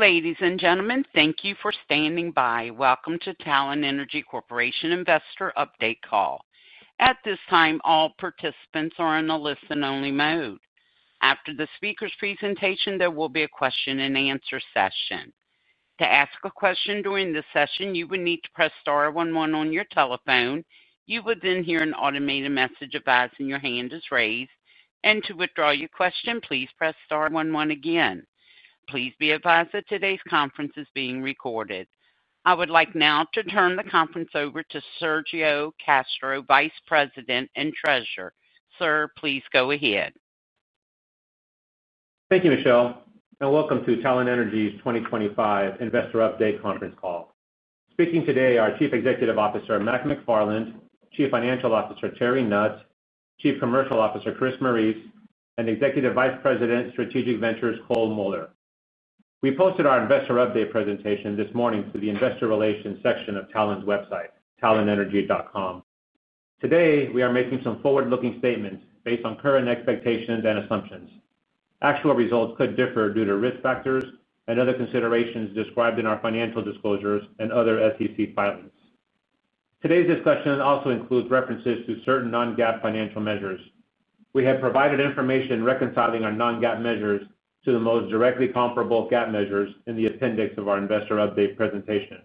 Ladies and gentlemen, thank you for standing by. Welcome to Talen Energy Corporation investor update call. At this time, all participants are in a listen-only mode. After the speaker's presentation, there will be a question and answer session. To ask a question during this session, you would need to press star one one on your telephone. You would then hear an automated message advise your hand is raised. To withdraw your question, please press star one one again. Please be advised that today's conference is being recorded. I would like now to turn the conference over to Sergio Castro, Vice President and Treasurer. Sir, please go ahead. Thank you, Michele. Welcome to Talen Energy Corporation's 2025 Investor Update Conference Call. Speaking today are Chief Executive Officer Mark McFarland, Chief Financial Officer Terry Nutt, Chief Commercial Officer Chris Morice, and Executive Vice President Strategic Ventures Cole Muller. We posted our investor update presentation this morning to the investor relations section of Talen's website, talenenergy.com. Today, we are making some forward-looking statements based on current expectations and assumptions. Actual results could differ due to risk factors and other considerations described in our financial disclosures and other SEC filings. Today's discussion also includes references to certain non-GAAP financial measures. We have provided information reconciling our non-GAAP measures to the most directly comparable GAAP measures in the appendix of our investor update presentation.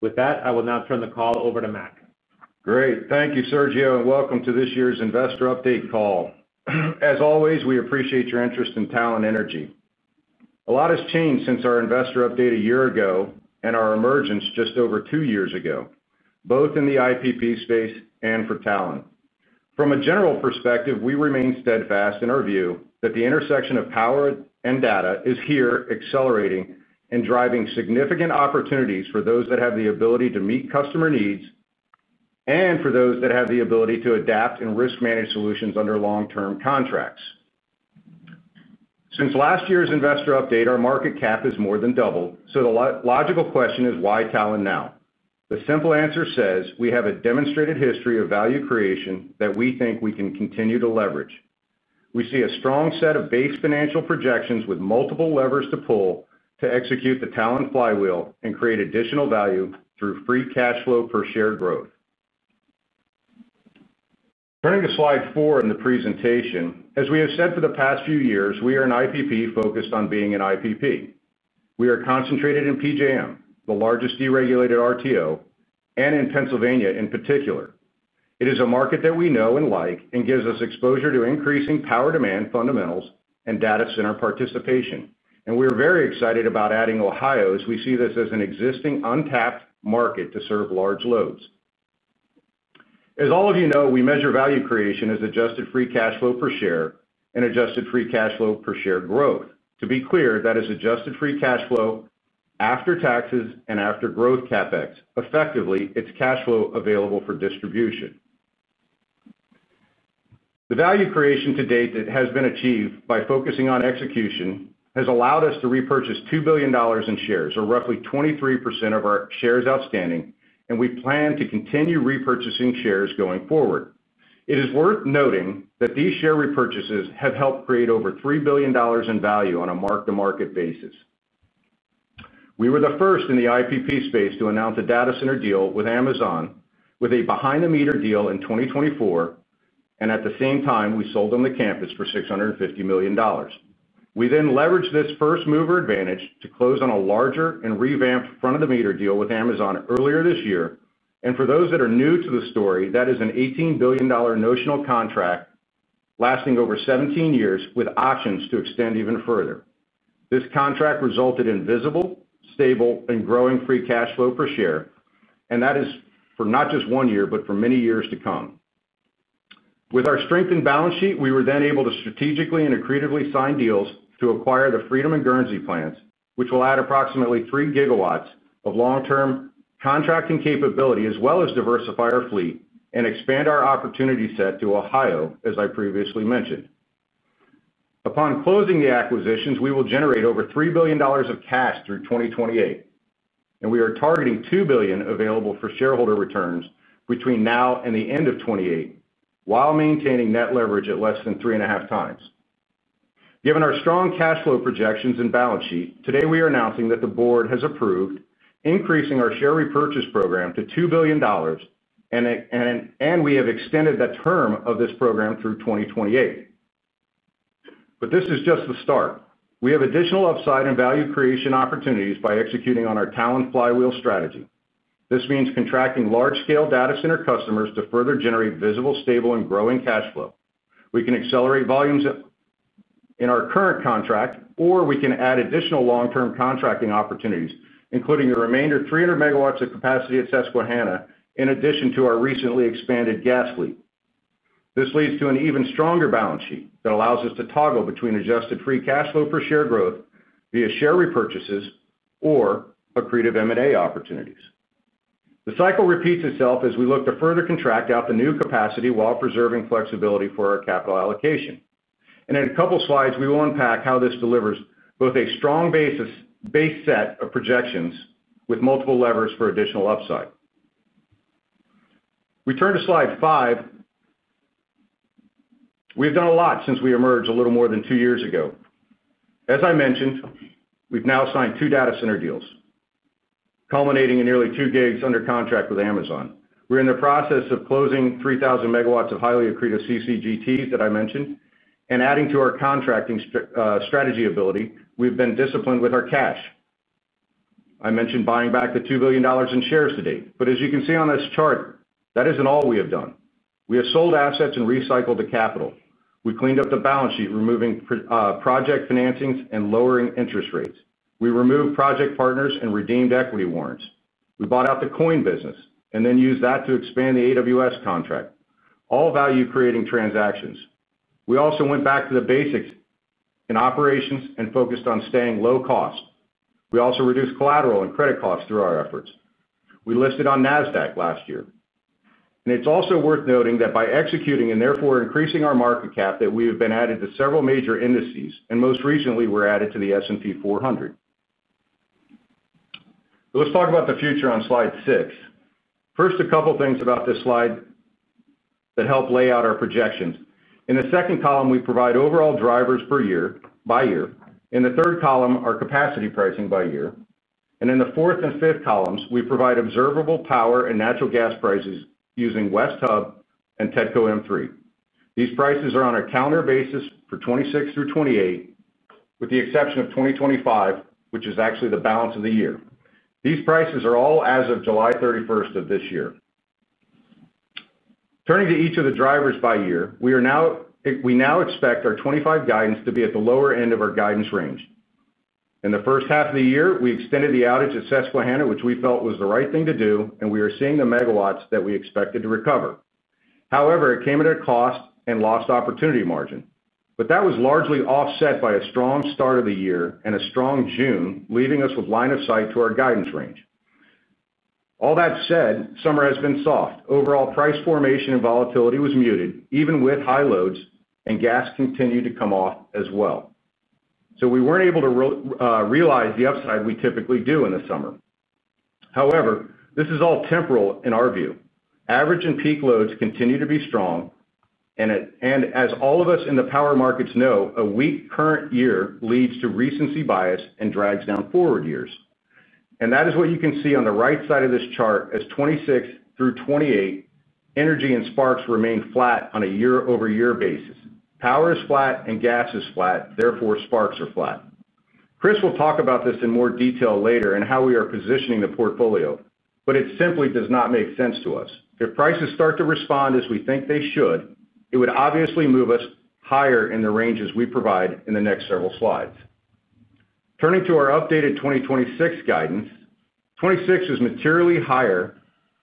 With that, I will now turn the call over to Mac. Great. Thank you, Sergio, and welcome to this year's investor update call. As always, we appreciate your interest in Talen Energy Corporation. A lot has changed since our investor update a year ago and our emergence just over two years ago, both in the IPP space and for Talen. From a general perspective, we remain steadfast in our view that the intersection of power and data is here, accelerating and driving significant opportunities for those that have the ability to meet customer needs and for those that have the ability to adapt and risk manage solutions under long-term contracts. Since last year's investor update, our market cap has more than doubled, so the logical question is why Talen now? The simple answer is we have a demonstrated history of value creation that we think we can continue to leverage. We see a strong set of base financial projections with multiple levers to pull to execute the Talen flywheel and create additional value through free cash flow per share growth. Turning to slide four in the presentation, as we have said for the past few years, we are an IPP focused on being an IPP. We are concentrated in PJM, the largest deregulated RTO, and in Pennsylvania in particular. It is a market that we know and like and gives us exposure to increasing power demand fundamentals and data center participation. We are very excited about adding Ohio as we see this as an existing untapped market to serve large loads. As all of you know, we measure value creation as adjusted free cash flow per share and adjusted free cash flow per share growth. To be clear, that is adjusted free cash flow after taxes and after growth CapEx, effectively it's cash flow available for distribution. The value creation to date that has been achieved by focusing on execution has allowed us to repurchase $2 billion in shares, or roughly 23% of our shares outstanding, and we plan to continue repurchasing shares going forward. It is worth noting that these share repurchases have helped create over $3 billion in value on a mark-to-market basis. We were the first in the IPP space to announce a data center deal with Amazon Web Services, with a behind-the-meter deal in 2024, and at the same time, we sold them the campus for $650 million. We then leveraged this first mover advantage to close on a larger and revamped front-of-the-meter deal with Amazon Web Services earlier this year. For those that are new to the story, that is an $18 billion notional contract lasting over 17 years with options to extend even further. This contract resulted in visible, stable, and growing free cash flow per share, and that is for not just one year, but for many years to come. With our strengthened balance sheet, we were then able to strategically and accretively sign deals to acquire the Freedom and Guernsey plants, which will add approximately 3 GW of long-term contracting capability, as well as diversify our fleet and expand our opportunity set to Ohio, as I previously mentioned. Upon closing the acquisitions, we will generate over $3 billion of cash through 2028, and we are targeting $2 billion available for shareholder returns between now and the end of 2028, while maintaining net leverage at less than 3.5 times. Given our strong cash flow projections and balance sheet, today we are announcing that the board has approved increasing our share repurchase program to $2 billion, and we have extended the term of this program through 2028. This is just the start. We have additional upside and value creation opportunities by executing on our Talen flywheel strategy. This means contracting large-scale data center customers to further generate visible, stable, and growing cash flow. We can accelerate volumes in our current contract, or we can add additional long-term contracting opportunities, including a remainder of 300 MW of capacity at Susquehanna in addition to our recently expanded gas fleet. This leads to an even stronger balance sheet that allows us to toggle between adjusted free cash flow per share growth via share repurchases or accretive M&A opportunities. The cycle repeats itself as we look to further contract out the new capacity while preserving flexibility for our capital allocation. In a couple of slides, we will unpack how this delivers both a strong base set of projections with multiple levers for additional upside. We turn to slide five. We've done a lot since we emerged a little more than two years ago. As I mentioned, we've now signed two data center deals, culminating in nearly 2 GW under contract with Amazon Web Services. We're in the process of closing 3,000 MW of highly accretive combined-cycle gas turbines that I mentioned and adding to our contracting strategy ability. We've been disciplined with our cash. I mentioned buying back the $2 billion in shares to date, but as you can see on this chart, that isn't all we have done. We have sold assets and recycled the capital. We cleaned up the balance sheet, removing project financings and lowering interest rates. We removed project partners and redeemed equity warrants. We bought out the coin business and then used that to expand the AWS contract, all value-creating transactions. We also went back to the basics in operations and focused on staying low cost. We also reduced collateral and credit costs through our efforts. We listed on NASDAQ last year. It's also worth noting that by executing and therefore increasing our market cap, we have been added to several major indices and most recently were added to the S&P 400. Let's talk about the future on slide six. First, a couple of things about this slide that help lay out our projections. In the second column, we provide overall drivers per year by year. In the third column, our capacity pricing by year. In the fourth and fifth columns, we provide observable power and natural gas prices using West Hub and TETCO M3. These prices are on a calendar basis for 2026 through 2028, with the exception of 2025, which is actually the balance of the year. These prices are all as of July 31 of this year. Turning to each of the drivers by year, we now expect our 2025 guidance to be at the lower end of our guidance range. In the first half of the year, we extended the outage at Susquehanna, which we felt was the right thing to do, and we are seeing the MW that we expected to recover. However, it came at a cost and lost opportunity margin. That was largely offset by a strong start of the year and a strong June, leaving us with line of sight to our guidance range. All that said, summer has been soft. Overall price formation and volatility was muted, even with high loads, and gas continued to come off as well. We weren't able to realize the upside we typically do in the summer. This is all temporal in our view. Average and peak loads continue to be strong, and as all of us in the power markets know, a weak current year leads to recency bias and drags down forward years. That is what you can see on the right side of this chart as 2026 through 2028, energy and sparks remain flat on a year-over-year basis. Power is flat and gas is flat, therefore, sparks are flat. Chris will talk about this in more detail later and how we are positioning the portfolio, but it simply does not make sense to us. If prices start to respond as we think they should, it would obviously move us higher in the ranges we provide in the next several slides. Turning to our updated 2026 guidance, 2026 is materially higher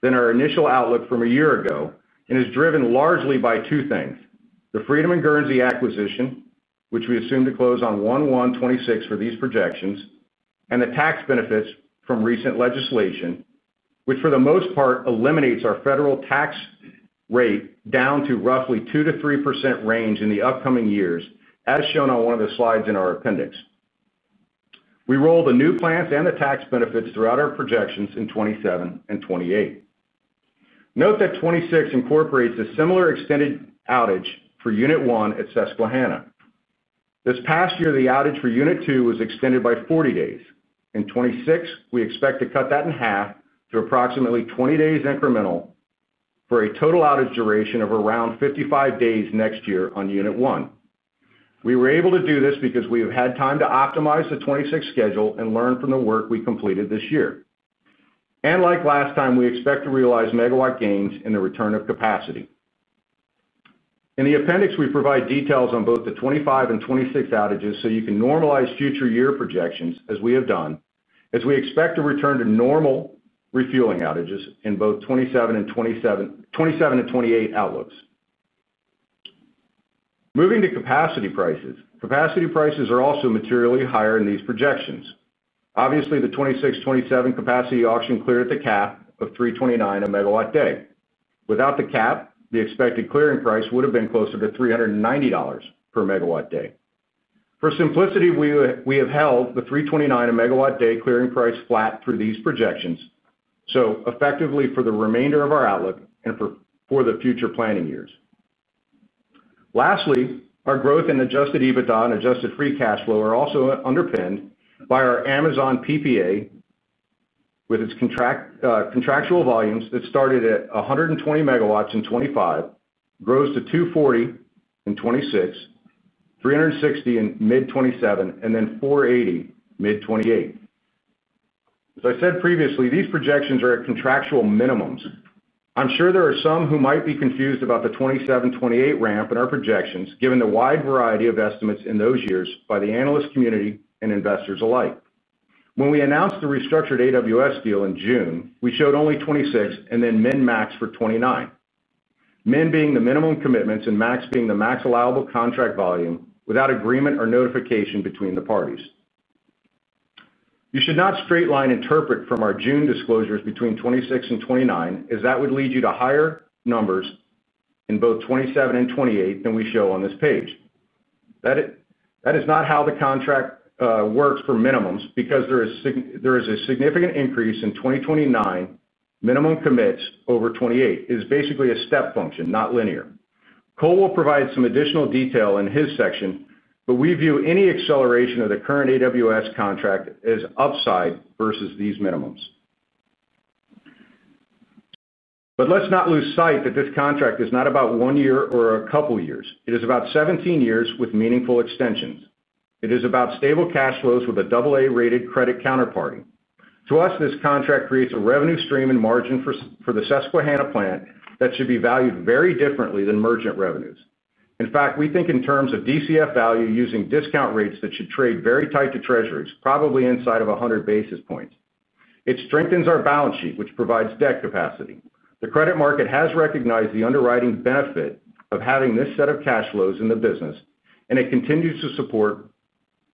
than our initial outlook from a year ago and is driven largely by two things: the Freedom and Guernsey acquisition, which we assume to close on 1/1/2026 for these projections, and the tax benefits from recent legislation, which for the most part eliminates our federal tax rate down to roughly 2% to 3% range in the upcoming years, as shown on one of the slides in our appendix. We rolled the new plans and the tax benefits throughout our projections in 2027 and 2028. Note that 2026 incorporates a similar extended outage for Unit 1 at Susquehanna. This past year, the outage for Unit 2 was extended by 40 days. In 2026, we expect to cut that in half to approximately 20 days incremental for a total outage duration of around 55 days next year on Unit 1. We were able to do this because we have had time to optimize the 2026 schedule and learn from the work we completed this year. Like last time, we expect to realize MW gains in the return of capacity. In the appendix, we provide details on both the 2025 and 2026 outages so you can normalize future year projections as we have done, as we expect to return to normal refueling outages in both 2027 and 2028 outlooks. Moving to capacity prices, capacity prices are also materially higher in these projections. The 2026-2027 capacity auction cleared at the cap of $329 a MW day. Without the cap, the expected clearing price would have been closer to $390 per MW day. For simplicity, we have held the $329 a MW day clearing price flat for these projections, so effectively for the remainder of our outlook and for the future planning years. Lastly, our growth in adjusted EBITDA and adjusted free cash flow are also underpinned by our Amazon Web Services PPA, with its contractual volumes that started at 120 MW in 2025, grows to 240 MV in 2026, 360 MV in mid-2027, and then 480 MV mid-2028. As I said previously, these projections are at contractual minimums. I'm sure there are some who might be confused about the 2027-2028 ramp in our projections, given the wide variety of estimates in those years by the analyst community and investors alike. When we announced the restructured AWS deal in June, we showed only 2026 and then min/max for 2029. Min being the minimum commitments and max being the max allowable contract volume without agreement or notification between the parties. You should not straight line interpret from our June disclosures between 2026 and 2029, as that would lead you to higher numbers in both 2027 and 2028 than we show on this page. That is not how the contract works for minimums because there is a significant increase in 2029 minimum commits over 2028. It is basically a step function, not linear. Cole will provide some additional detail in his section, but we view any acceleration of the current AWS contract as upside versus these minimums. Let's not lose sight that this contract is not about one year or a couple of years. It is about 17 years with meaningful extensions. It is about stable cash flows with a AA rated credit counterparty. To us, this contract creates a revenue stream and margin for the Susquehanna plant that should be valued very differently than merchant revenues. In fact, we think in terms of DCF value using discount rates that should trade very tight to treasuries, probably inside of 100 basis points. It strengthens our balance sheet, which provides debt capacity. The credit market has recognized the underwriting benefit of having this set of cash flows in the business, and it continues to support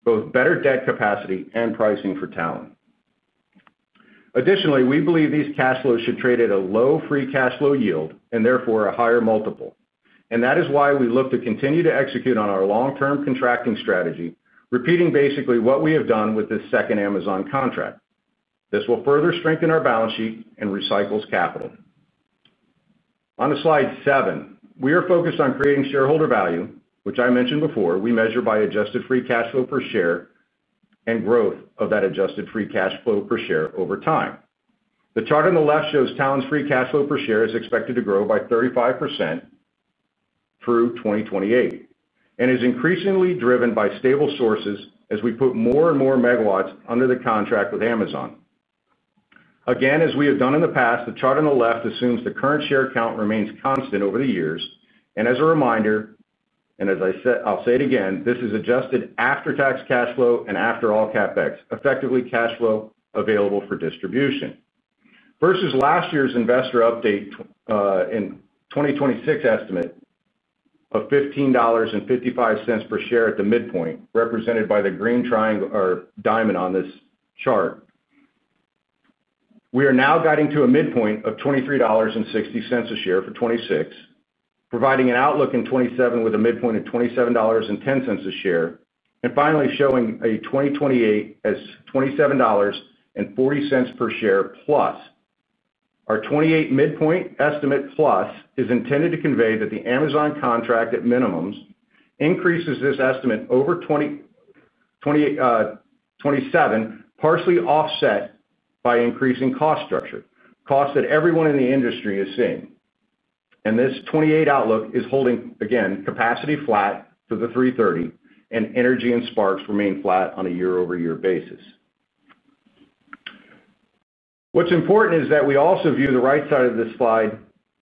both better debt capacity and pricing for Talen. Additionally, we believe these cash flows should trade at a low free cash flow yield and therefore a higher multiple. That is why we look to continue to execute on our long-term contracting strategy, repeating basically what we have done with this second Amazon contract. This will further strengthen our balance sheet and recycles capital. On slide seven, we are focused on creating shareholder value, which I mentioned before, we measure by adjusted free cash flow per share and growth of that adjusted free cash flow per share over time. The chart on the left shows Talen's free cash flow per share is expected to grow by 35% through 2028 and is increasingly driven by stable sources as we put more and more MW under the contract with Amazon. Again, as we have done in the past, the chart on the left assumes the current share count remains constant over the years. As a reminder, and as I'll say it again, this is adjusted after tax cash flow and after all CapEx, effectively cash flow available for distribution. Versus last year's investor update in 2026, estimate of $15.55 per share at the midpoint, represented by the green triangle or diamond on this chart. We are now guiding to a midpoint of $23.60 a share for 2026, providing an outlook in 2027 with a midpoint of $27.10 a share, and finally showing a 2028 as $27.40 per share plus. Our 2028 midpoint estimate plus is intended to convey that the Amazon Web Services contract at minimums increases this estimate over 2027, partially offset by increasing cost structure, costs that everyone in the industry is seeing. This 2028 outlook is holding, again, capacity flat for the $330, and energy and sparks remain flat on a year-over-year basis. What's important is that we also view the right side of this slide.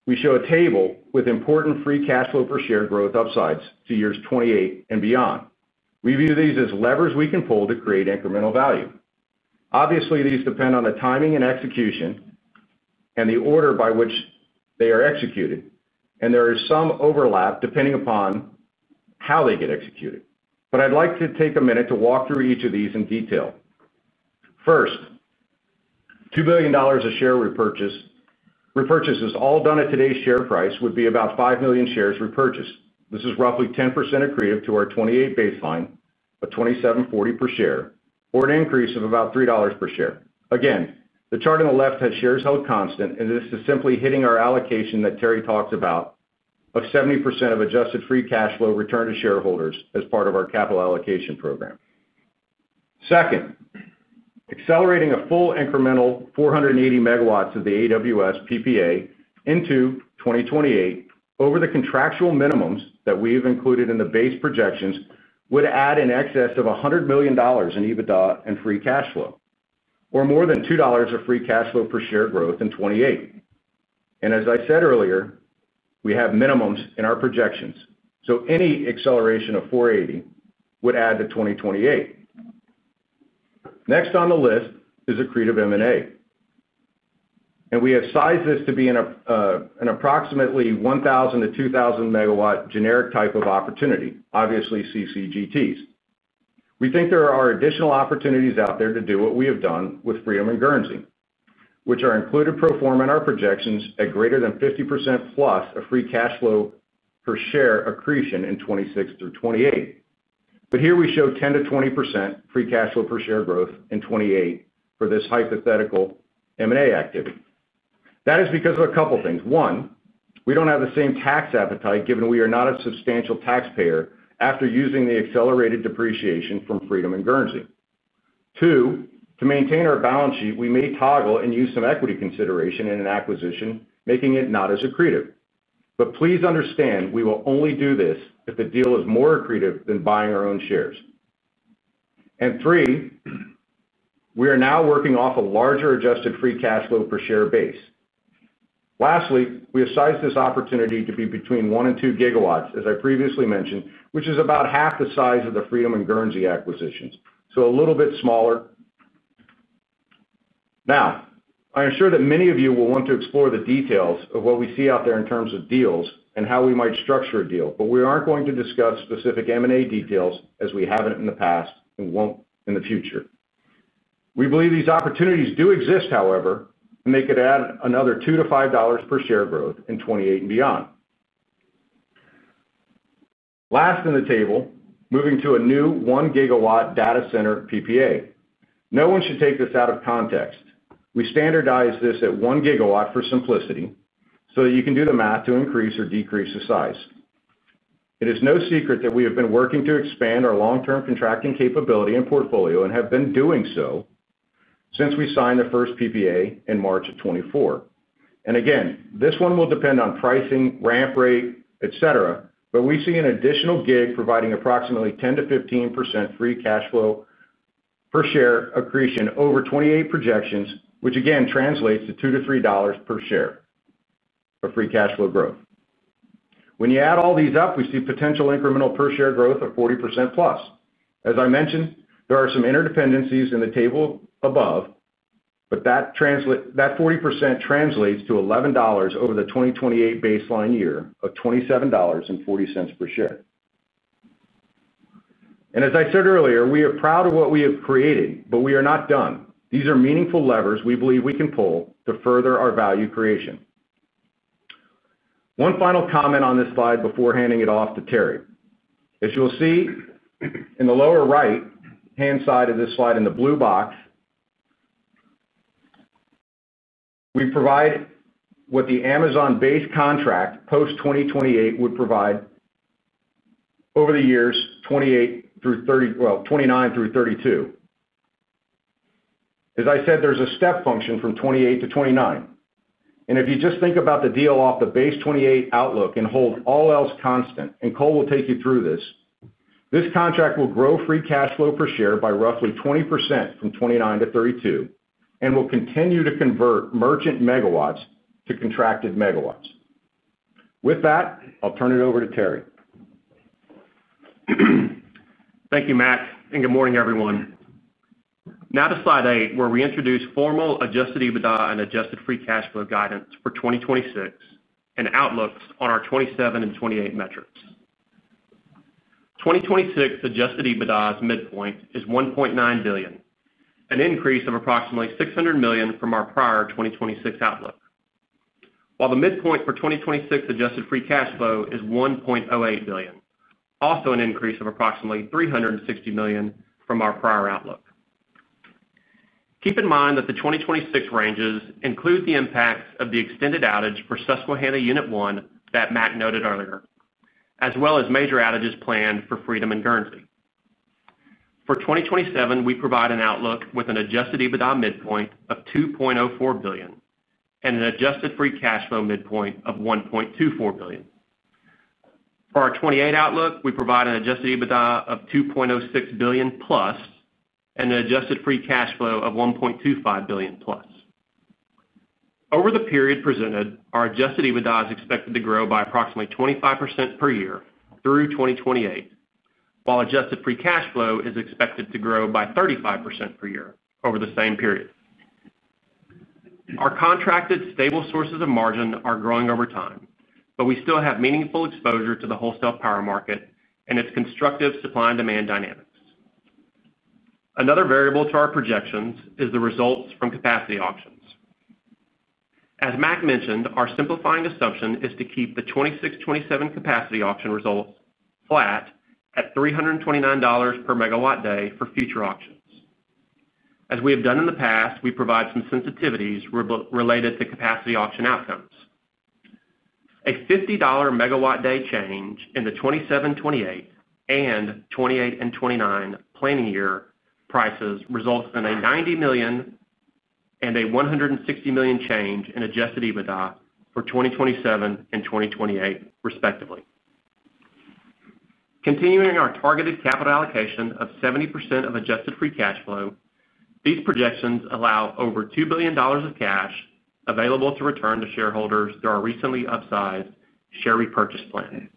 We show a table with important free cash flow per share growth upsides to years 2028 and beyond. We view these as levers we can pull to create incremental value. Obviously, these depend on the timing and execution and the order by which they are executed, and there is some overlap depending upon how they get executed. I'd like to take a minute to walk through each of these in detail. First, $2 billion of share repurchase, all done at today's share price, would be about 5 million shares repurchased. This is roughly 10% accretive to our 2028 baseline of $27.40 per share, or an increase of about $3 per share. The chart on the left has shares held constant, and this is simply hitting our allocation that Terry Nutt talks about of 70% of adjusted free cash flow returned to shareholders as part of our capital allocation program. Second, accelerating a full incremental 480 MW of the Amazon Web Services PPA into 2028 over the contractual minimums that we have included in the base projections would add in excess of $100 million in EBITDA and free cash flow, or more than $2 of free cash flow per share growth in 2028. As I said earlier, we have minimums in our projections, so any acceleration of 480 would add to 2028. Next on the list is accretive M&A. We have sized this to be an approximately 1,000-2,000 MW generic type of opportunity, obviously combined-cycle gas turbines. We think there are additional opportunities out there to do what we have done with Freedom and Guernsey, which are included pro forma in our projections at greater than 50% plus of free cash flow per share accretion in 2026 through 2028. Here we show 10%-20% free cash flow per share growth in 2028 for this hypothetical M&A activity. That is because of a couple of things. One, we don't have the same tax appetite given we are not a substantial taxpayer after using the accelerated depreciation from Freedom and Guernsey. Two, to maintain our balance sheet, we may toggle and use some equity consideration in an acquisition, making it not as accretive. Please understand we will only do this if the deal is more accretive than buying our own shares. Three, we are now working off a larger adjusted free cash flow per share base. Lastly, we have sized this opportunity to be between one and two GW, as I previously mentioned, which is about half the size of the Freedom and Guernsey acquisitions, so a little bit smaller. I am sure that many of you will want to explore the details of what we see out there in terms of deals and how we might structure a deal, but we aren't going to discuss specific M&A details as we haven't in the past and won't in the future. We believe these opportunities do exist, however, and they could add another $2-$5 per share growth in 2028 and beyond. Last in the table, moving to a new one-GW data center PPA. No one should take this out of context. We standardize this at one GW for simplicity so that you can do the math to increase or decrease the size. It is no secret that we have been working to expand our long-term contracting capability and portfolio and have been doing so since we signed the first PPA in March of 2024. This one will depend on pricing, ramp rate, et cetera, but we see an additional gig providing approximately 10%-15% free cash flow per share accretion over 2028 projections, which again translates to $2-$3 per share of free cash flow growth. When you add all these up, we see potential incremental per share growth of 40% plus. As I mentioned, there are some interdependencies in the table above, but that 40% translates to $11 over the 2028 baseline year of $27.40 per share. As I said earlier, we are proud of what we have created, but we are not done. These are meaningful levers we believe we can pull to further our value creation. One final comment on this slide before handing it off to Terry. As you'll see in the lower right-hand side of this slide in the blue box, we provide what the Amazon base contract post-2028 would provide over the years 2028 through 2032, 2029 through 2032. As I said, there's a step function from 2028 to 2029. If you just think about the deal off the base 2028 outlook and hold all else constant, and Cole will take you through this, this contract will grow free cash flow per share by roughly 20% from 2029 to 2032 and will continue to convert merchant MW to contracted MW. With that, I'll turn it over to Terry. Thank you, Mac, and good morning, everyone. Now to slide eight, where we introduce formal adjusted EBITDA and adjusted free cash flow guidance for 2026 and outlooks on our 2027 and 2028 metrics. 2026 adjusted EBITDA's midpoint is $1.9 billion, an increase of approximately $600 million from our prior 2026 outlook. While the midpoint for 2026 adjusted free cash flow is $1.08 billion, also an increase of approximately $360 million from our prior outlook. Keep in mind that the 2026 ranges include the impacts of the extended outage for Susquehanna Unit 1 that Mac noted earlier, as well as major outages planned for Freedom and Guernsey. For 2027, we provide an outlook with an adjusted EBITDA midpoint of $2.04 billion and an adjusted free cash flow midpoint of $1.24 billion. For our 2028 outlook, we provide an adjusted EBITDA of $2.06 billion plus and an adjusted free cash flow of $1.25 billion plus. Over the period presented, our adjusted EBITDA is expected to grow by approximately 25% per year through 2028, while adjusted free cash flow is expected to grow by 35% per year over the same period. Our contracted stable sources of margin are growing over time, but we still have meaningful exposure to the wholesale power market and its constructive supply and demand dynamics. Another variable to our projections is the results from capacity auctions. As Mac mentioned, our simplifying assumption is to keep the 2026-2027 capacity auction result flat at $329 per MW day for future auctions. As we have done in the past, we provide some sensitivities related to capacity auction outcomes. A $50 per MW day change in the 2027, 2028, and 2028 and 2029 planning year prices result in a $90 million and a $160 million change in adjusted EBITDA for 2027 and 2028, respectively. Continuing our targeted capital allocation of 70% of adjusted free cash flow, these projections allow over $2 billion of cash available to return to shareholders through our recently upsized share repurchase plan.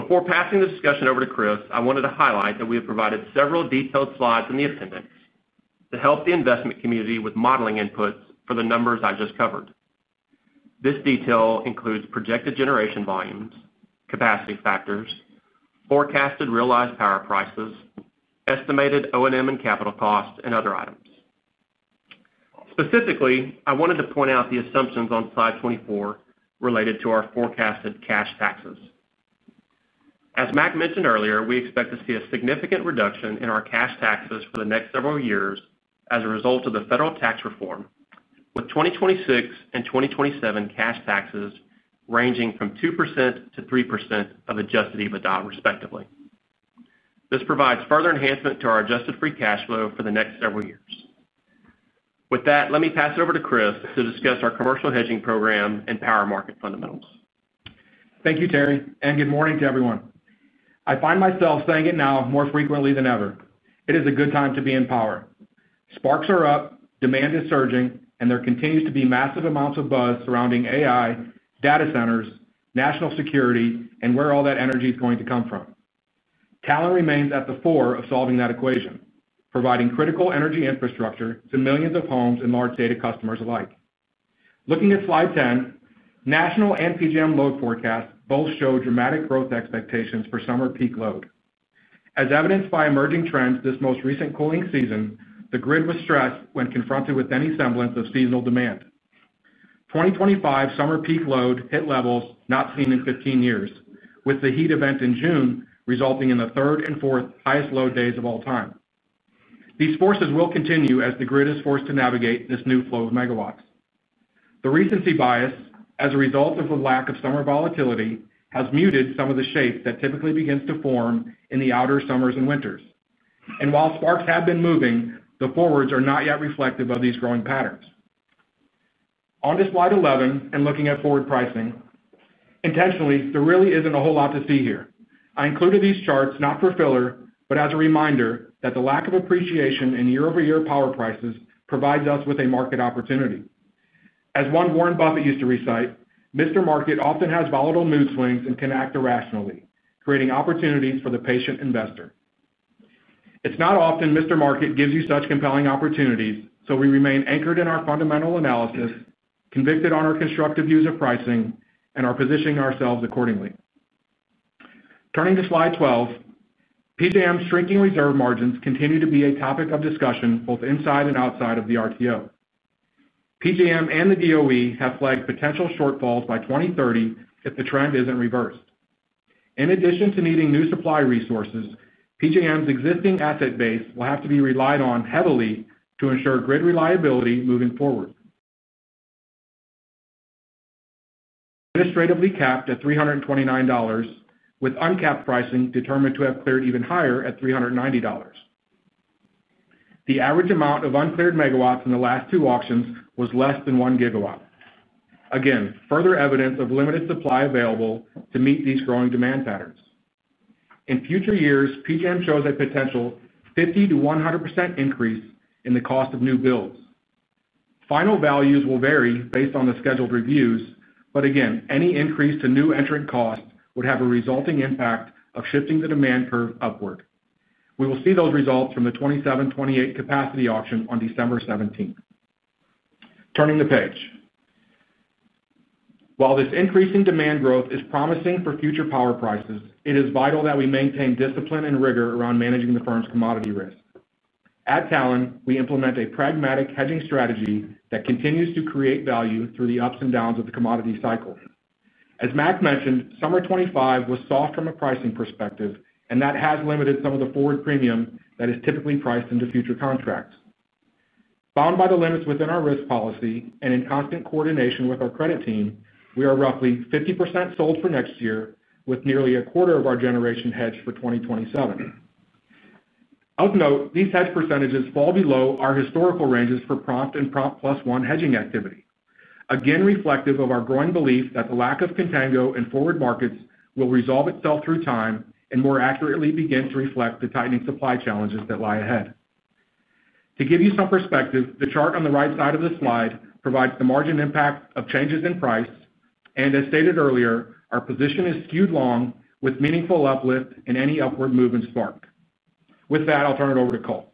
Before passing the discussion over to Chris, I wanted to highlight that we have provided several detailed slides in the appendix to help the investment community with modeling inputs for the numbers I just covered. This detail includes projected generation volumes, capacity factors, forecasted realized power prices, estimated O&M and capital cost, and other items. Specifically, I wanted to point out the assumptions on slide 24 related to our forecasted cash taxes. As Mac mentioned earlier, we expect to see a significant reduction in our cash taxes for the next several years as a result of the federal tax reform, with 2026 and 2027 cash taxes ranging from 2%-3% of adjusted EBITDA, respectively. This provides further enhancement to our adjusted free cash flow for the next several years. With that, let me pass it over to Chris to discuss our commercial hedging program and power market fundamentals. Thank you, Terry, and good morning to everyone. I find myself saying it now more frequently than ever. It is a good time to be in power. Sparks are up, demand is surging, and there continues to be massive amounts of buzz surrounding AI, data centers, national security, and where all that energy is going to come from. Talen remains at the fore of solving that equation, providing critical energy infrastructure to millions of homes and large data customers alike. Looking at slide 10, national NPGM load forecasts both show dramatic growth expectations for summer peak load. As evidenced by emerging trends this most recent cooling season, the grid was stressed when confronted with any semblance of seasonal demand. 2025 summer peak load hit levels not seen in 15 years, with the heat event in June resulting in the third and fourth highest load days of all time. These forces will continue as the grid is forced to navigate this new flow of MW. The recency bias, as a result of the lack of summer volatility, has muted some of the shape that typically begins to form in the outer summers and winters. While sparks have been moving, the forwards are not yet reflective of these growing patterns. On to slide 11 and looking at forward pricing. Intentionally, there really isn't a whole lot to see here. I included these charts not for filler, but as a reminder that the lack of appreciation in year-over-year power prices provides us with a market opportunity. As one Warren Buffett used to recite, Mr. Market often has volatile mood swings and can act irrationally, creating opportunities for the patient investor. It's not often Mr. Market gives you such compelling opportunities, so we remain anchored in our fundamental analysis, convicted on our constructive use of pricing, and are positioning ourselves accordingly. Turning to slide 12, PJM's shrinking reserve margins continue to be a topic of discussion both inside and outside of the RTO. PJM and the DOE have flagged potential shortfalls by 2030 if the trend isn't reversed. In addition to needing new supply resources, PJM's existing asset base will have to be relied on heavily to ensure grid reliability moving forward. Administratively capped at $329, with uncapped pricing determined to have cleared even higher at $390. The average amount of uncleared MW in the last two auctions was less than one GW. Again, further evidence of limited supply available to meet these growing demand patterns. In future years, PJM shows a potential 50%-100% increase in the cost of new builds. Final values will vary based on the scheduled reviews, but again, any increase to new entering costs would have a resulting impact of shifting the demand curve upward. We will see those results from the 2027, 2028 capacity auction on December 17th. Turning the page. While this increasing demand growth is promising for future power prices, it is vital that we maintain discipline and rigor around managing the firm's commodity risk. At Talen, we implement a pragmatic hedging strategy that continues to create value through the ups and downs of the commodity cycle. As Mac mentioned, summer 2025 was soft from a pricing perspective, and that has limited some of the forward premium that is typically priced into future contracts. Bound by the limits within our risk policy and in constant coordination with our credit team, we are roughly 50% sold for next year, with nearly a quarter of our generation hedged for 2027. Of note, these hedge percentages fall below our historical ranges for prompt and prompt plus one hedging activity. Again, reflective of our growing belief that the lack of contango in forward markets will resolve itself through time and more accurately begin to reflect the tightening supply challenges that lie ahead. To give you some perspective, the chart on the right side of the slide provides the margin impact of changes in price, and as stated earlier, our position is skewed long with meaningful uplift in any upward movement spark. With that, I'll turn it over to Cole.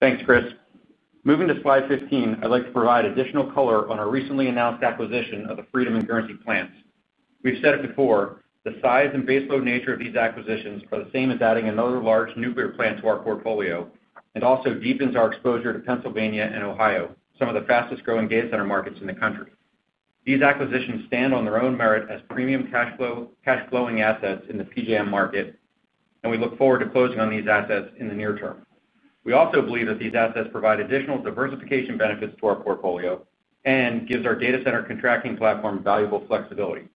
Thanks, Chris. Moving to slide 15, I'd like to provide additional color on our recently announced acquisition of the Freedom and Guernsey plants. We've said it before, the size and baseload nature of these acquisitions are the same as adding another large nuclear plant to our portfolio and also deepens our exposure to Pennsylvania and Ohio, some of the fastest growing data center markets in the country. These acquisitions stand on their own merit as premium cash flowing assets in the PJM market, and we look forward to closing on these assets in the near term. We also believe that these assets provide additional diversification benefits to our portfolio and give our data center contracting platform valuable flexibility.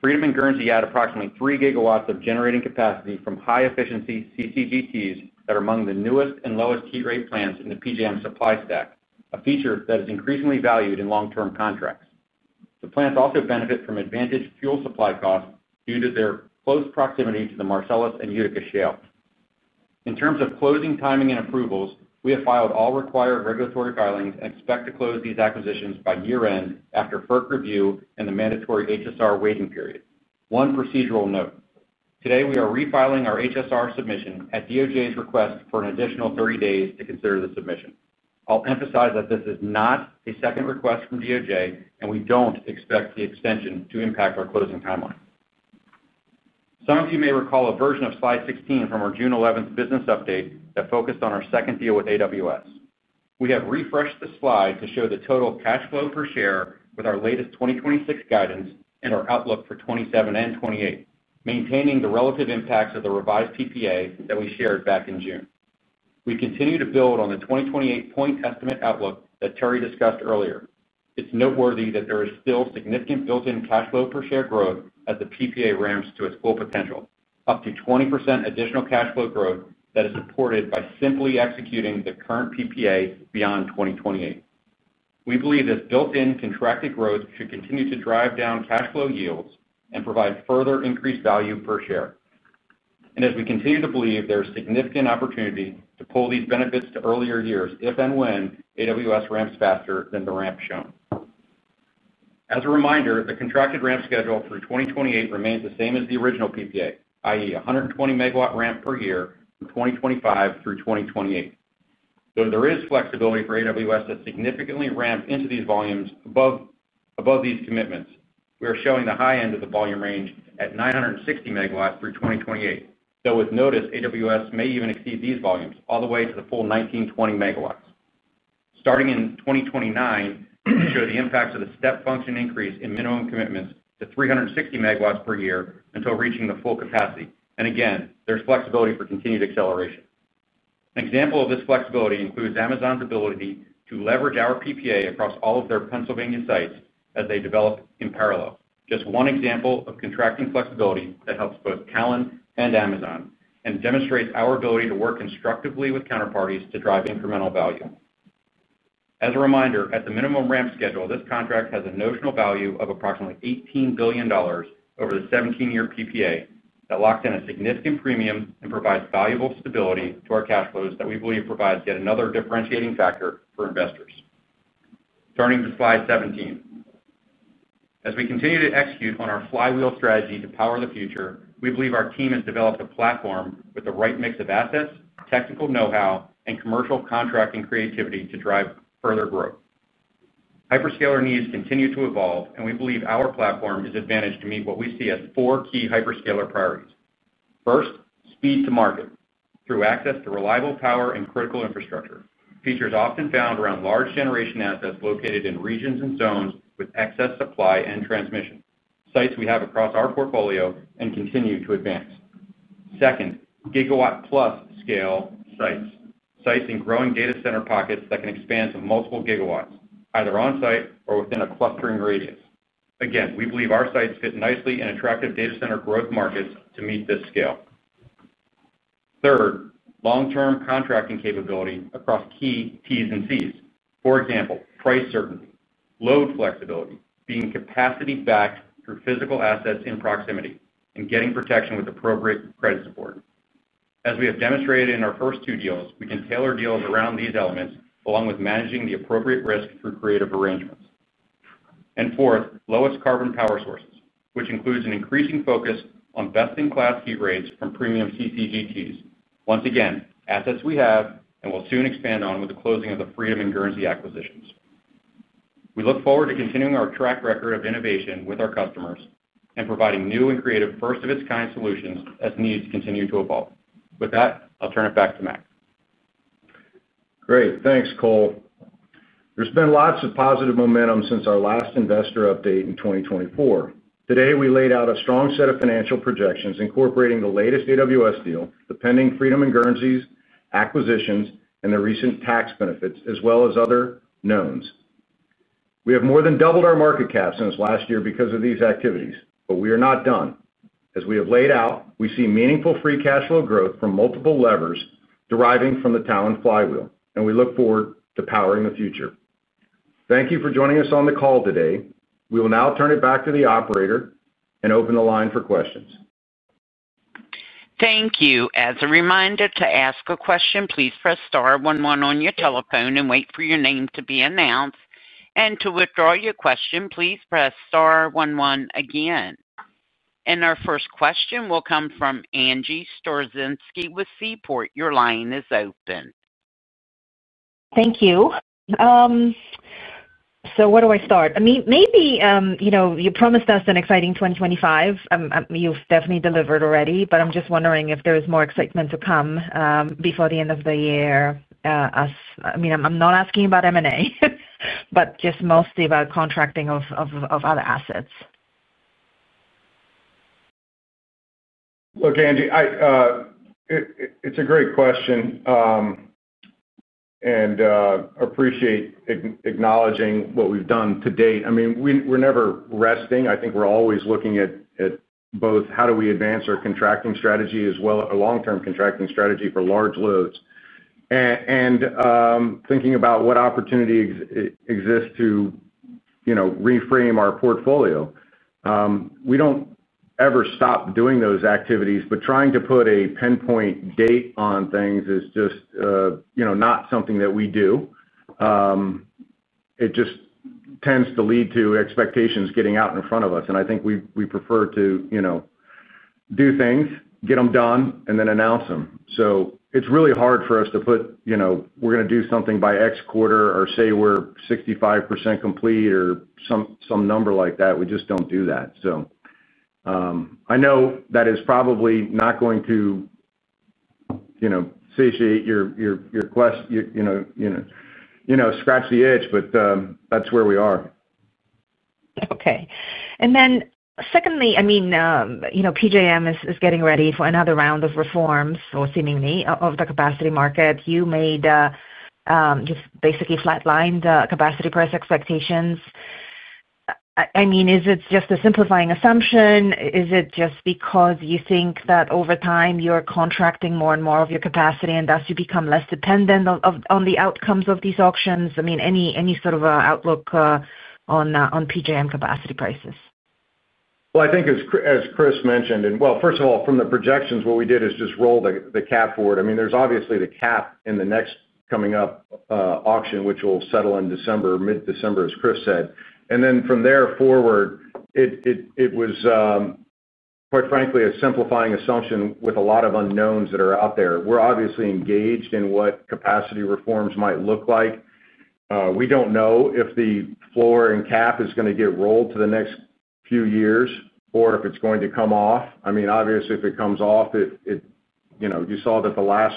Freedom and Guernsey add approximately 3 GW of generating capacity from high efficiency CCGTs that are among the newest and lowest heat rate plants in the PJM supply stack, a feature that is increasingly valued in long-term contracts. The plants also benefit from advantaged fuel supply costs due to their close proximity to the Marcellus and Utica shale. In terms of closing timing and approvals, we have filed all required regulatory filings and expect to close these acquisitions by year-end after FERC review and the mandatory HSR waiting period. One procedural note. Today, we are refiling our HSR submission at DOJ's request for an additional 30 days to consider the submission. I'll emphasize that this is not a second request from DOJ, and we don't expect the extension to impact our closing timeline. Some of you may recall a version of slide 16 from our June 11 business update that focused on our second deal with Amazon Web Services. We have refreshed the slide to show the total cash flow per share with our latest 2026 guidance and our outlook for 2027 and 2028, maintaining the relative impacts of the revised PPA that we shared back in June. We continue to build on the 2028 point estimate outlook that Terry Nutt discussed earlier. It's noteworthy that there is still significant built-in cash flow per share growth as the PPA ramps to its full potential, up to 20% additional cash flow growth that is supported by simply executing the current PPA beyond 2028. We believe this built-in contracted growth should continue to drive down cash flow yields and provide further increased value per share. We continue to believe there's significant opportunity to pull these benefits to earlier years if and when Amazon Web Services ramps faster than the ramp shown. As a reminder, the contracted ramp schedule through 2028 remains the same as the original PPA, i.e., 120 MW ramp per year from 2025 through 2028. Though there is flexibility for Amazon Web Services that's significantly ramped into these volumes above these commitments, we are showing the high end of the volume range at 960 MW through 2028. Though with notice, AWS may even exceed these volumes all the way to the full 1,920 MW. Starting in 2029, we show the impacts of the step function increase in minimum commitments to 360 MW per year until reaching the full capacity. There is flexibility for continued acceleration. An example of this flexibility includes Amazon's ability to leverage our PPA across all of their Pennsylvania sites as they develop in parallel. Just one example of contracting flexibility that helps both Talen and Amazon and demonstrates our ability to work constructively with counterparties to drive incremental value. As a reminder, at the minimum ramp schedule, this contract has a notional value of approximately $18 billion over the 17-year PPA that locks in a significant premium and provides valuable stability to our cash flows that we believe provides yet another differentiating factor for investors. Turning to slide 17. As we continue to execute on our flywheel strategy to power the future, we believe our team has developed a platform with the right mix of assets, technical know-how, and commercial contracting creativity to drive further growth. Hyperscaler needs continue to evolve, and we believe our platform is advantaged to meet what we see as four key hyperscaler priorities. First, speed to market through access to reliable power and critical infrastructure, features often found around large generation assets located in regions and zones with excess supply and transmission, sites we have across our portfolio and continue to advance. Second, GW plus scale sites, sites in growing data center pockets that can expand to multiple GW, either on-site or within a clustering radius. We believe our sites fit nicely in attractive data center growth markets to meet this scale. Third, long-term contracting capability across key Ts and Cs. For example, price certainty, load flexibility, being capacity backed through physical assets in proximity, and getting protection with appropriate credit support. As we have demonstrated in our first two deals, we can tailor deals around these elements along with managing the appropriate risk through creative arrangements. Fourth, lowest carbon power sources, which includes an increasing focus on best-in-class heat rates from premium CCGTs. Once again, assets we have and will soon expand on with the closing of the Freedom and Guernsey acquisitions. We look forward to continuing our track record of innovation with our customers and providing new and creative first-of-its-kind solutions as needs continue to evolve. With that, I'll turn it back to Mac. Great. Thanks, Cole. There's been lots of positive momentum since our last investor update in 2024. Today, we laid out a strong set of financial projections incorporating the latest AWS deal, the pending Freedom and Guernsey acquisitions, and the recent tax benefits, as well as other knowns. We have more than doubled our market cap since last year because of these activities, but we are not done. As we have laid out, we see meaningful free cash flow growth from multiple levers deriving from the Talen flywheel, and we look forward to powering the future. Thank you for joining us on the call today. We will now turn it back to the operator and open the line for questions. Thank you. As a reminder, to ask a question, please press star one one on your telephone and wait for your name to be announced. To withdraw your question, please press star one one again. Our first question will come from Angie Storozynski with Seaport. Your line is open. Thank you. Where do I start? Maybe you know you promised us an exciting 2025. You've definitely delivered already, but I'm just wondering if there is more excitement to come before the end of the year. I'm not asking about M&A, just mostly about contracting of other assets. Look, Angie, it's a great question and I appreciate acknowledging what we've done to date. We're never resting. I think we're always looking at both how do we advance our contracting strategy as well as our long-term contracting strategy for large loads and thinking about what opportunities exist to reframe our portfolio. We don't ever stop doing those activities, but trying to put a pinpoint date on things is just not something that we do. It tends to lead to expectations getting out in front of us. I think we prefer to do things, get them done, and then announce them. It's really hard for us to put, you know, we're going to do something by X quarter or say we're 65% complete or some number like that. We just don't do that. I know that is probably not going to satiate your question, you know, scratch the itch, but that's where we are. Okay. Secondly, PJM is getting ready for another round of reforms, or seemingly, of the capacity market. You made just basically flatlined capacity price expectations. Is it just a simplifying assumption? Is it just because you think that over time you're contracting more and more of your capacity and thus you become less dependent on the outcomes of these auctions? Any sort of outlook on PJM capacity prices? I think as Chris Maurice mentioned, from the projections, what we did is just roll the cap forward. There is obviously the cap in the next coming up auction, which will settle in December, mid-December, as Chris said. From there forward, it was quite frankly a simplifying assumption with a lot of unknowns that are out there. We're obviously engaged in what capacity reforms might look like. We don't know if the floor and cap are going to get rolled to the next few years or if it's going to come off. Obviously, if it comes off, you saw that the last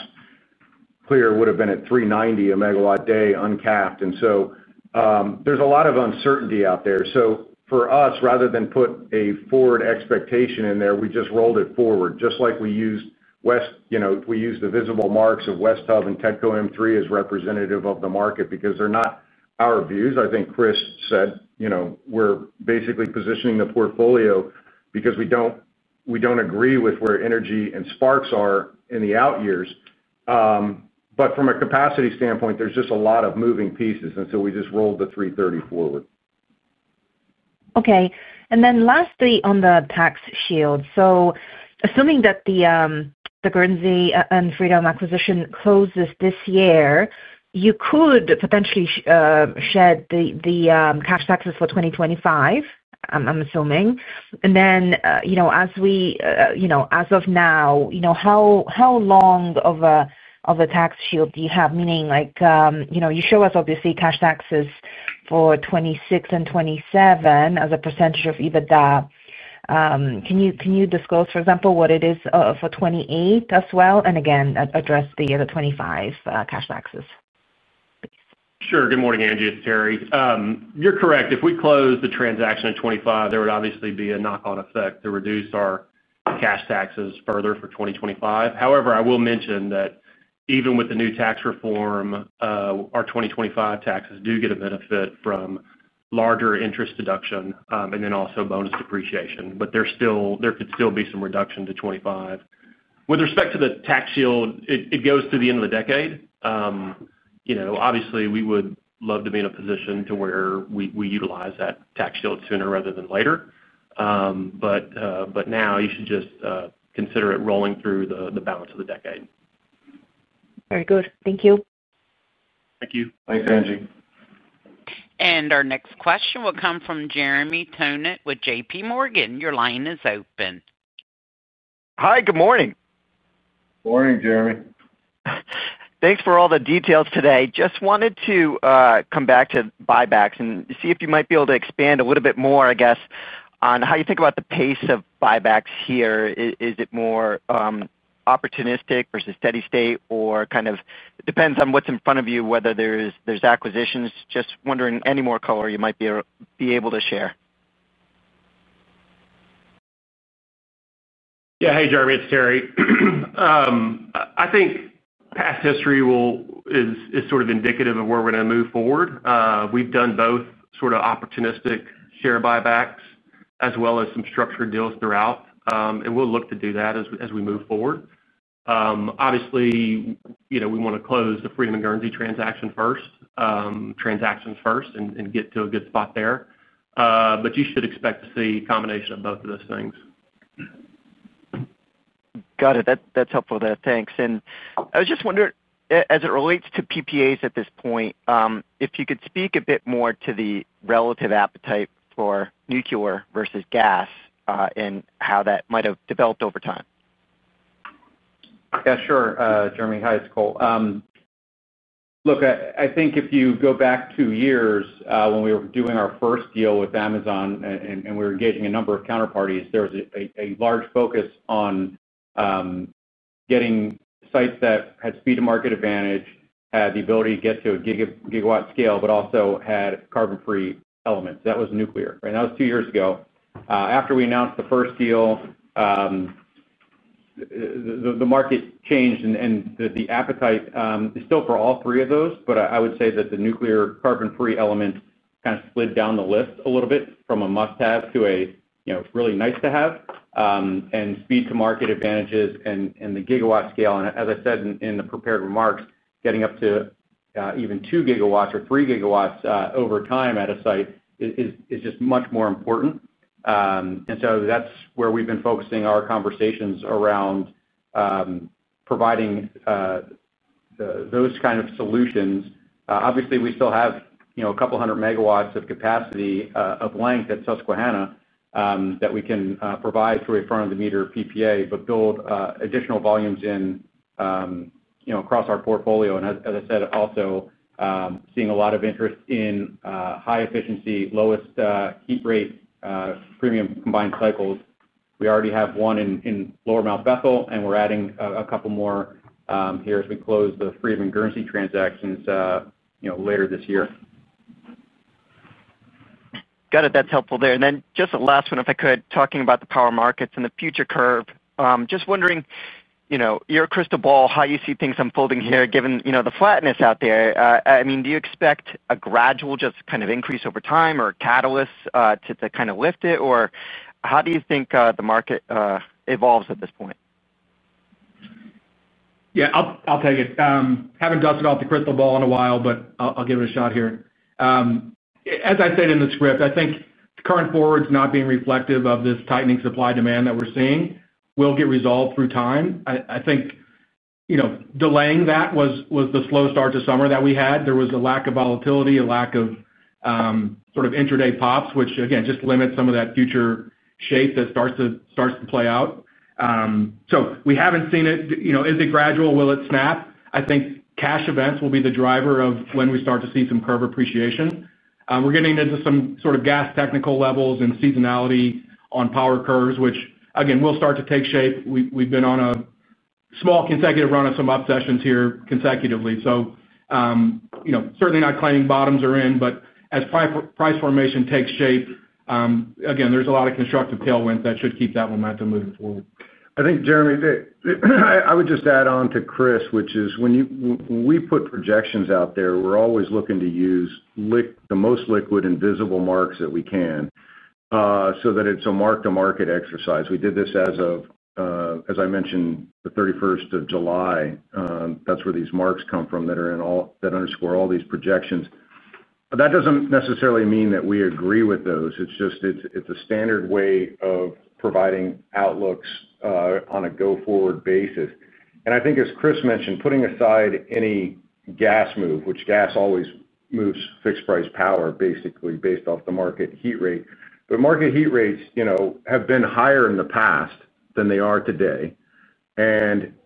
clear would have been at $390 a MW day uncapped. There is a lot of uncertainty out there. For us, rather than put a forward expectation in there, we just rolled it forward. Just like we used West, we used the visible marks of West Hub and TETCO M3 as representative of the market because they're not our views. I think Chris Maurice said we're basically positioning the portfolio because we don't agree with where energy and sparks are in the out years. From a capacity standpoint, there are just a lot of moving pieces. We just rolled the $330 forward. Okay. Lastly, on the tax shield. Assuming that the Guernsey and Freedom acquisition closes this year, you could potentially shed the taxes for 2025, I'm assuming. As of now, how long of a tax shield do you have, meaning like, you show us obviously cash taxes for 2026 and 2027 as a percentage of EBITDA. Can you disclose, for example, what it is for 2028 as well? Again, address the other 2025 cash taxes. Sure. Good morning, Angie. It's Terry. You're correct. If we close the transaction in 2025, there would obviously be a knock-on effect to reduce our cash taxes further for 2025. However, I will mention that even with the new tax reform, our 2025 taxes do get a benefit from larger interest deduction and then also bonus depreciation. There could still be some reduction to 2025. With respect to the tax shield, it goes through the end of the decade. Obviously, we would love to be in a position to where we utilize that tax shield sooner rather than later. Now, you should just consider it rolling through the balance of the decade. Very good. Thank you. Thank you. Thanks, Angie. Our next question will come from Jeremy Tonet with JP Morgan. Your line is open. Hi, good morning. Morning, Jeremy. Thanks for all the details today. Just wanted to come back to buybacks and see if you might be able to expand a little bit more, I guess, on how you think about the pace of buybacks here. Is it more opportunistic versus steady state, or kind of it depends on what's in front of you, whether there's acquisitions? Just wondering any more color you might be able to share. Yeah. Hey, Jeremy. It's Terry. I think past history is sort of indicative of where we're going to move forward. We've done both sort of opportunistic share buybacks as well as some structured deals throughout, and we'll look to do that as we move forward. Obviously, you know, we want to close the Freedom and Guernsey transactions first and get to a good spot there. You should expect to see a combination of both of those things. Got it. That's helpful. Thanks. I was just wondering, as it relates to PPAs at this point, if you could speak a bit more to the relative appetite for nuclear versus gas and how that might have developed over time. Yeah, sure, Jeremy. Hi, it's Cole. Look, I think if you go back two years when we were doing our first deal with Amazon Web Services and we were engaging a number of counterparties, there was a large focus on getting sites that had speed-to-market advantage, had the ability to get to a GW scale, but also had carbon-free elements. That was nuclear. That was two years ago. After we announced the first deal, the market changed and the appetite is still for all three of those, but I would say that the nuclear carbon-free element kind of slid down the list a little bit from a must-have to a really nice-to-have. Speed-to-market advantages and the GW scale, and as I said in the prepared remarks, getting up to even two GW or three GW over time at a site is just much more important. That's where we've been focusing our conversations around providing those kind of solutions. Obviously, we still have a couple hundred MW of capacity of length at Susquehanna that we can provide through a front-of-the-meter contract, but build additional volumes in across our portfolio. As I said, also seeing a lot of interest in high efficiency, lowest heat rate premium combined cycles. We already have one in Lower Mount Bethel, and we're adding a couple more here as we close the Freedom and Guernsey transactions later this year. Got it. That's helpful. Just the last one, if I could, talking about the power markets and the future curve. Just wondering, you know, your crystal ball, how you see things unfolding here given the flatness out there. Do you expect a gradual just kind of increase over time or catalysts to kind of lift it, or how do you think the market evolves at this point? Yeah, I'll tell you, haven't dusted off the crystal ball in a while, but I'll give it a shot here. As I said in the script, I think the current forwards not being reflective of this tightening supply demand that we're seeing will get resolved through time. I think delaying that was the slow start to summer that we had. There was a lack of volatility, a lack of sort of intraday pops, which just limits some of that future shape that starts to play out. We haven't seen it. Is it gradual? Will it snap? I think cash events will be the driver of when we start to see some curve appreciation. We're getting into some sort of gas technical levels and seasonality on power curves, which will start to take shape. We've been on a small consecutive run of some up sessions here consecutively. Certainly not claiming bottoms are in, but as price formation takes shape, there's a lot of constructive tailwinds that should keep that momentum moving forward. I think, Jeremy, I would just add on to Chris, which is when we put projections out there, we're always looking to use the most liquid and visible marks that we can so that it's a mark-to-market exercise. We did this as of, as I mentioned, the 31st of July. That's where these marks come from that underscore all these projections. That doesn't necessarily mean that we agree with those. It's just a standard way of providing outlooks on a go-forward basis. I think, as Chris mentioned, putting aside any gas move, which gas always moves fixed price power basically based off the market heat rate. Market heat rates have been higher in the past than they are today.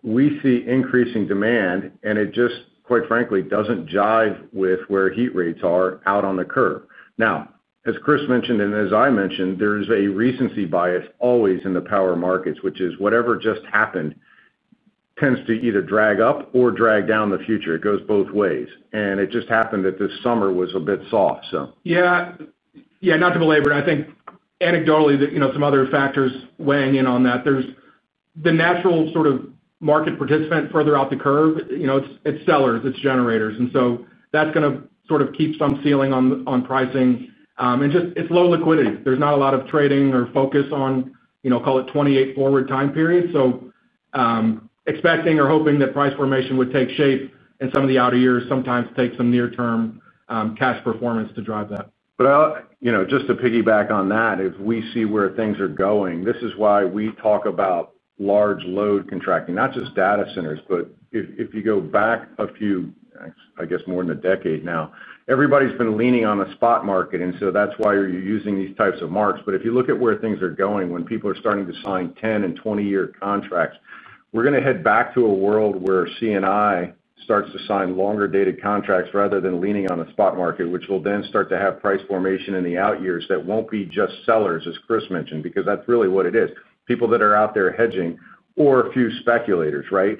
We see increasing demand, and it just, quite frankly, doesn't jive with where heat rates are out on the curve. Now, as Chris mentioned and as I mentioned, there's a recency bias always in the power markets, which is whatever just happened tends to either drag up or drag down the future. It goes both ways. It just happened that this summer was a bit soft. Not to belabor, but I think anecdotally that some other factors weighing in on that. There's the natural sort of market participant further out the curve. It's sellers, it's generators. That's going to sort of keep some ceiling on pricing. It's low liquidity. There's not a lot of trading or focus on, call it 28 forward time periods. Expecting or hoping that price formation would take shape in some of the outer years sometimes takes some near-term cash performance to drive that. Just to piggyback on that, if we see where things are going, this is why we talk about large load contracting, not just data centers, but if you go back a few, I guess, more than a decade now, everybody's been leaning on the spot market. That's why you're using these types of marks. If you look at where things are going, when people are starting to sign 10- and 20-year contracts, we're going to head back to a world where CNI starts to sign longer-dated contracts rather than leaning on the spot market, which will then start to have price formation in the out years that won't be just sellers, as Chris Maurice mentioned, because that's really what it is. People that are out there hedging or a few speculators, right?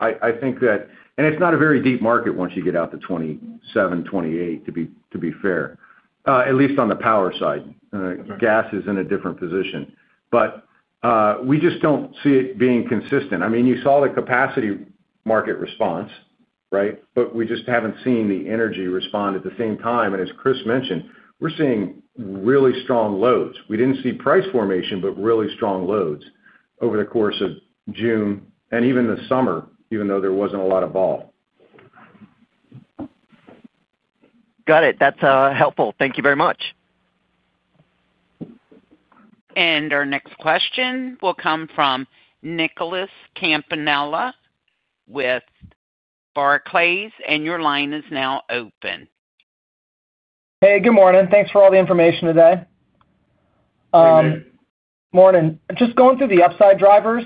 I think that, and it's not a very deep market once you get out to 2027, 2028, to be fair, at least on the power side. Gas is in a different position. We just don't see it being consistent. You saw the capacity market response, right? We just haven't seen the energy respond at the same time. As Chris Morice mentioned, we're seeing really strong loads. We didn't see price formation, but really strong loads over the course of June and even the summer, even though there wasn't a lot of volatility. Got it. That's helpful. Thank you very much. Our next question will come from Nicholas Campanella with Barclays, and your line is now open. Hey, good morning. Thanks for all the information today. Morning. Just going through the upside drivers,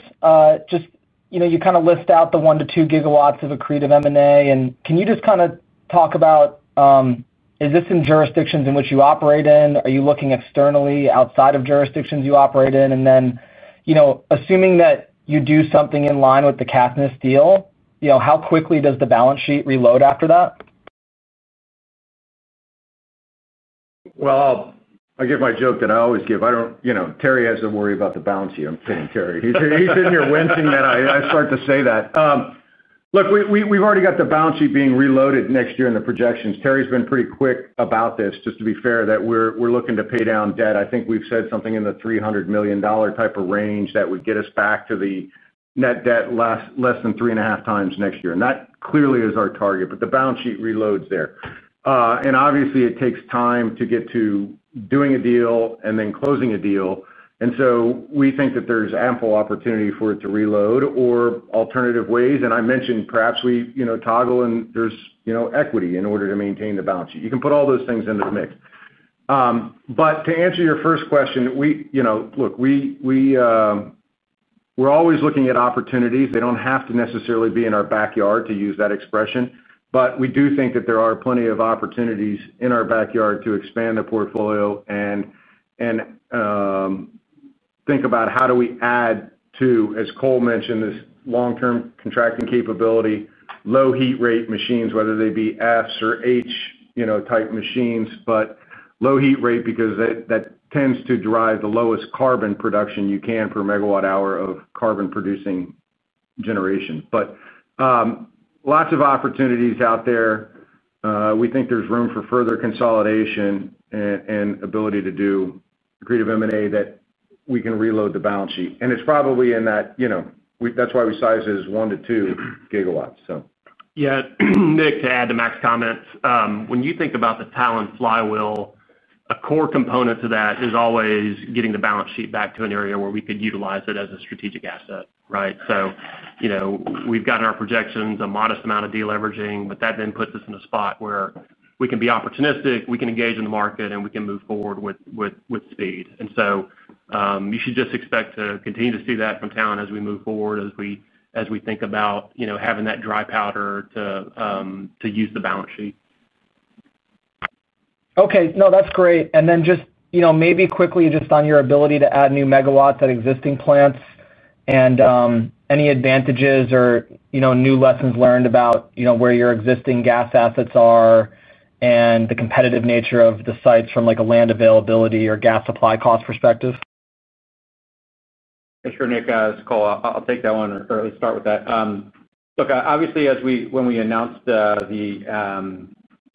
you kind of list out the one to two GW of accretive M&A. Can you just kind of talk about, is this in jurisdictions in which you operate in? Are you looking externally outside of jurisdictions you operate in? Assuming that you do something in line with the Caithness deal, how quickly does the balance sheet reload after that? I'll give my joke that I always give. I don't, you know, Terry has to worry about the balance sheet. I'm kidding, Terry. He's in here wincing that I start to say that. Look, we've already got the balance sheet being reloaded next year in the projections. Terry's been pretty quick about this, just to be fair, that we're looking to pay down debt. I think we've said something in the $300 million type of range that would get us back to the net debt less than 3.5 times next year. That clearly is our target, but the balance sheet reloads there. Obviously, it takes time to get to doing a deal and then closing a deal. We think that there's ample opportunity for it to reload or alternative ways. I mentioned perhaps we, you know, toggle and there's, you know, equity in order to maintain the balance sheet. You can put all those things into the mix. To answer your first question, we, you know, look, we're always looking at opportunity. They don't have to necessarily be in our backyard, to use that expression. We do think that there are plenty of opportunities in our backyard to expand the portfolio and think about how do we add to, as Cole mentioned, this long-term contracting capability, low heat rate machines, whether they be Fs or H-type machines, but low heat rate because that tends to drive the lowest carbon production you can per MW hour of carbon producing generation. Lots of opportunities out there. We think there's room for further consolidation and ability to do accretive M&A that we can reload the balance sheet. It's probably in that, you know, that's why we size it as 1-2 GW. Yeah, Nick, to add to Mac's comments, when you think about the Talen flywheel, a core component to that is always getting the balance sheet back to an area where we could utilize it as a strategic asset, right? We've got in our projections a modest amount of deleveraging, but that then puts us in a spot where we can be opportunistic, we can engage in the market, and we can move forward with speed. You should just expect to continue to see that from Talen as we move forward, as we think about having that dry powder to use the balance sheet. Okay. No, that's great. Just, you know, maybe quickly, just on your ability to add new MW at existing plants and any advantages or, you know, new lessons learned about, you know, where your existing gas assets are and the competitive nature of the sites from like a land availability or gas supply cost perspective? Sure, Nick, as Cole, I'll take that one or at least start with that. Obviously, when we announced the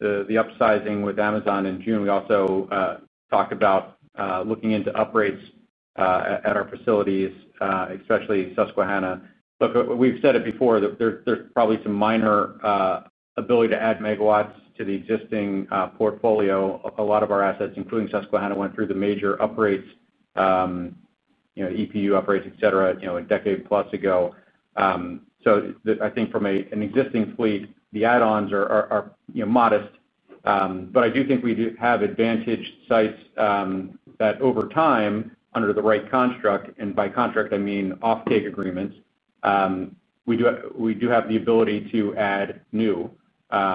upsizing with Amazon Web Services in June, we also talked about looking into upgrades at our facilities, especially Susquehanna. We've said it before, there's probably some minor ability to add MW to the existing portfolio. A lot of our assets, including Susquehanna, went through the major upgrades, you know, EPU upgrades, et cetera, a decade plus ago. I think from an existing fleet, the add-ons are modest. I do think we do have advantaged sites that over time, under the right construct, and by contract, I mean off-take agreements, we do have the ability to add new.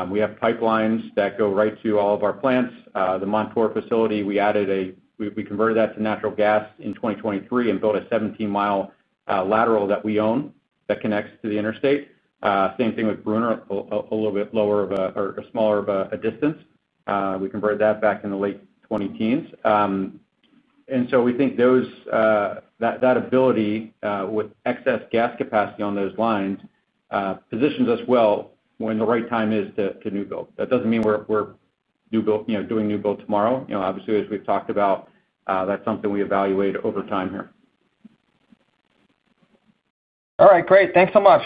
We have pipelines that go right to all of our plants. The Montour facility, we added a, we converted that to natural gas in 2023 and built a 17-mile lateral that we own that connects to the interstate. Same thing with Brunner, a little bit lower of a smaller of a distance. We converted that back in the late 2010s. We think that ability with excess gas capacity on those lines positions us well when the right time is to new build. That doesn't mean we're doing new build tomorrow. Obviously, as we've talked about, that's something we evaluate over time here. All right, great. Thanks so much.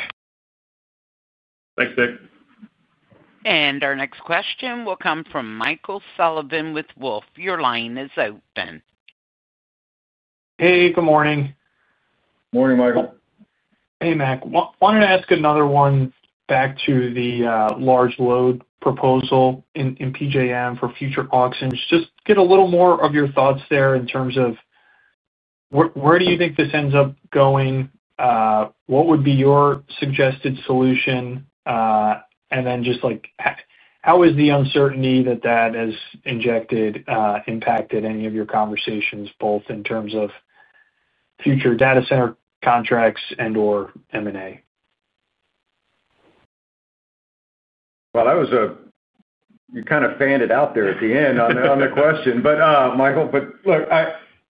Thanks, Nick. Our next question will come from Michael Sullivan with Wolfe. Your line is open. Hey, good morning. Morning, Michael. Hey, Mac. Wanted to ask another one back to the large load proposal in PJM for future auctions. Just get a little more of your thoughts there in terms of where do you think this ends up going? What would be your suggested solution? How is the uncertainty that that has injected impacted any of your conversations, both in terms of future data center contracts and/or M&A? That was a, you kind of fanned it out there at the end on the question, Michael, but look,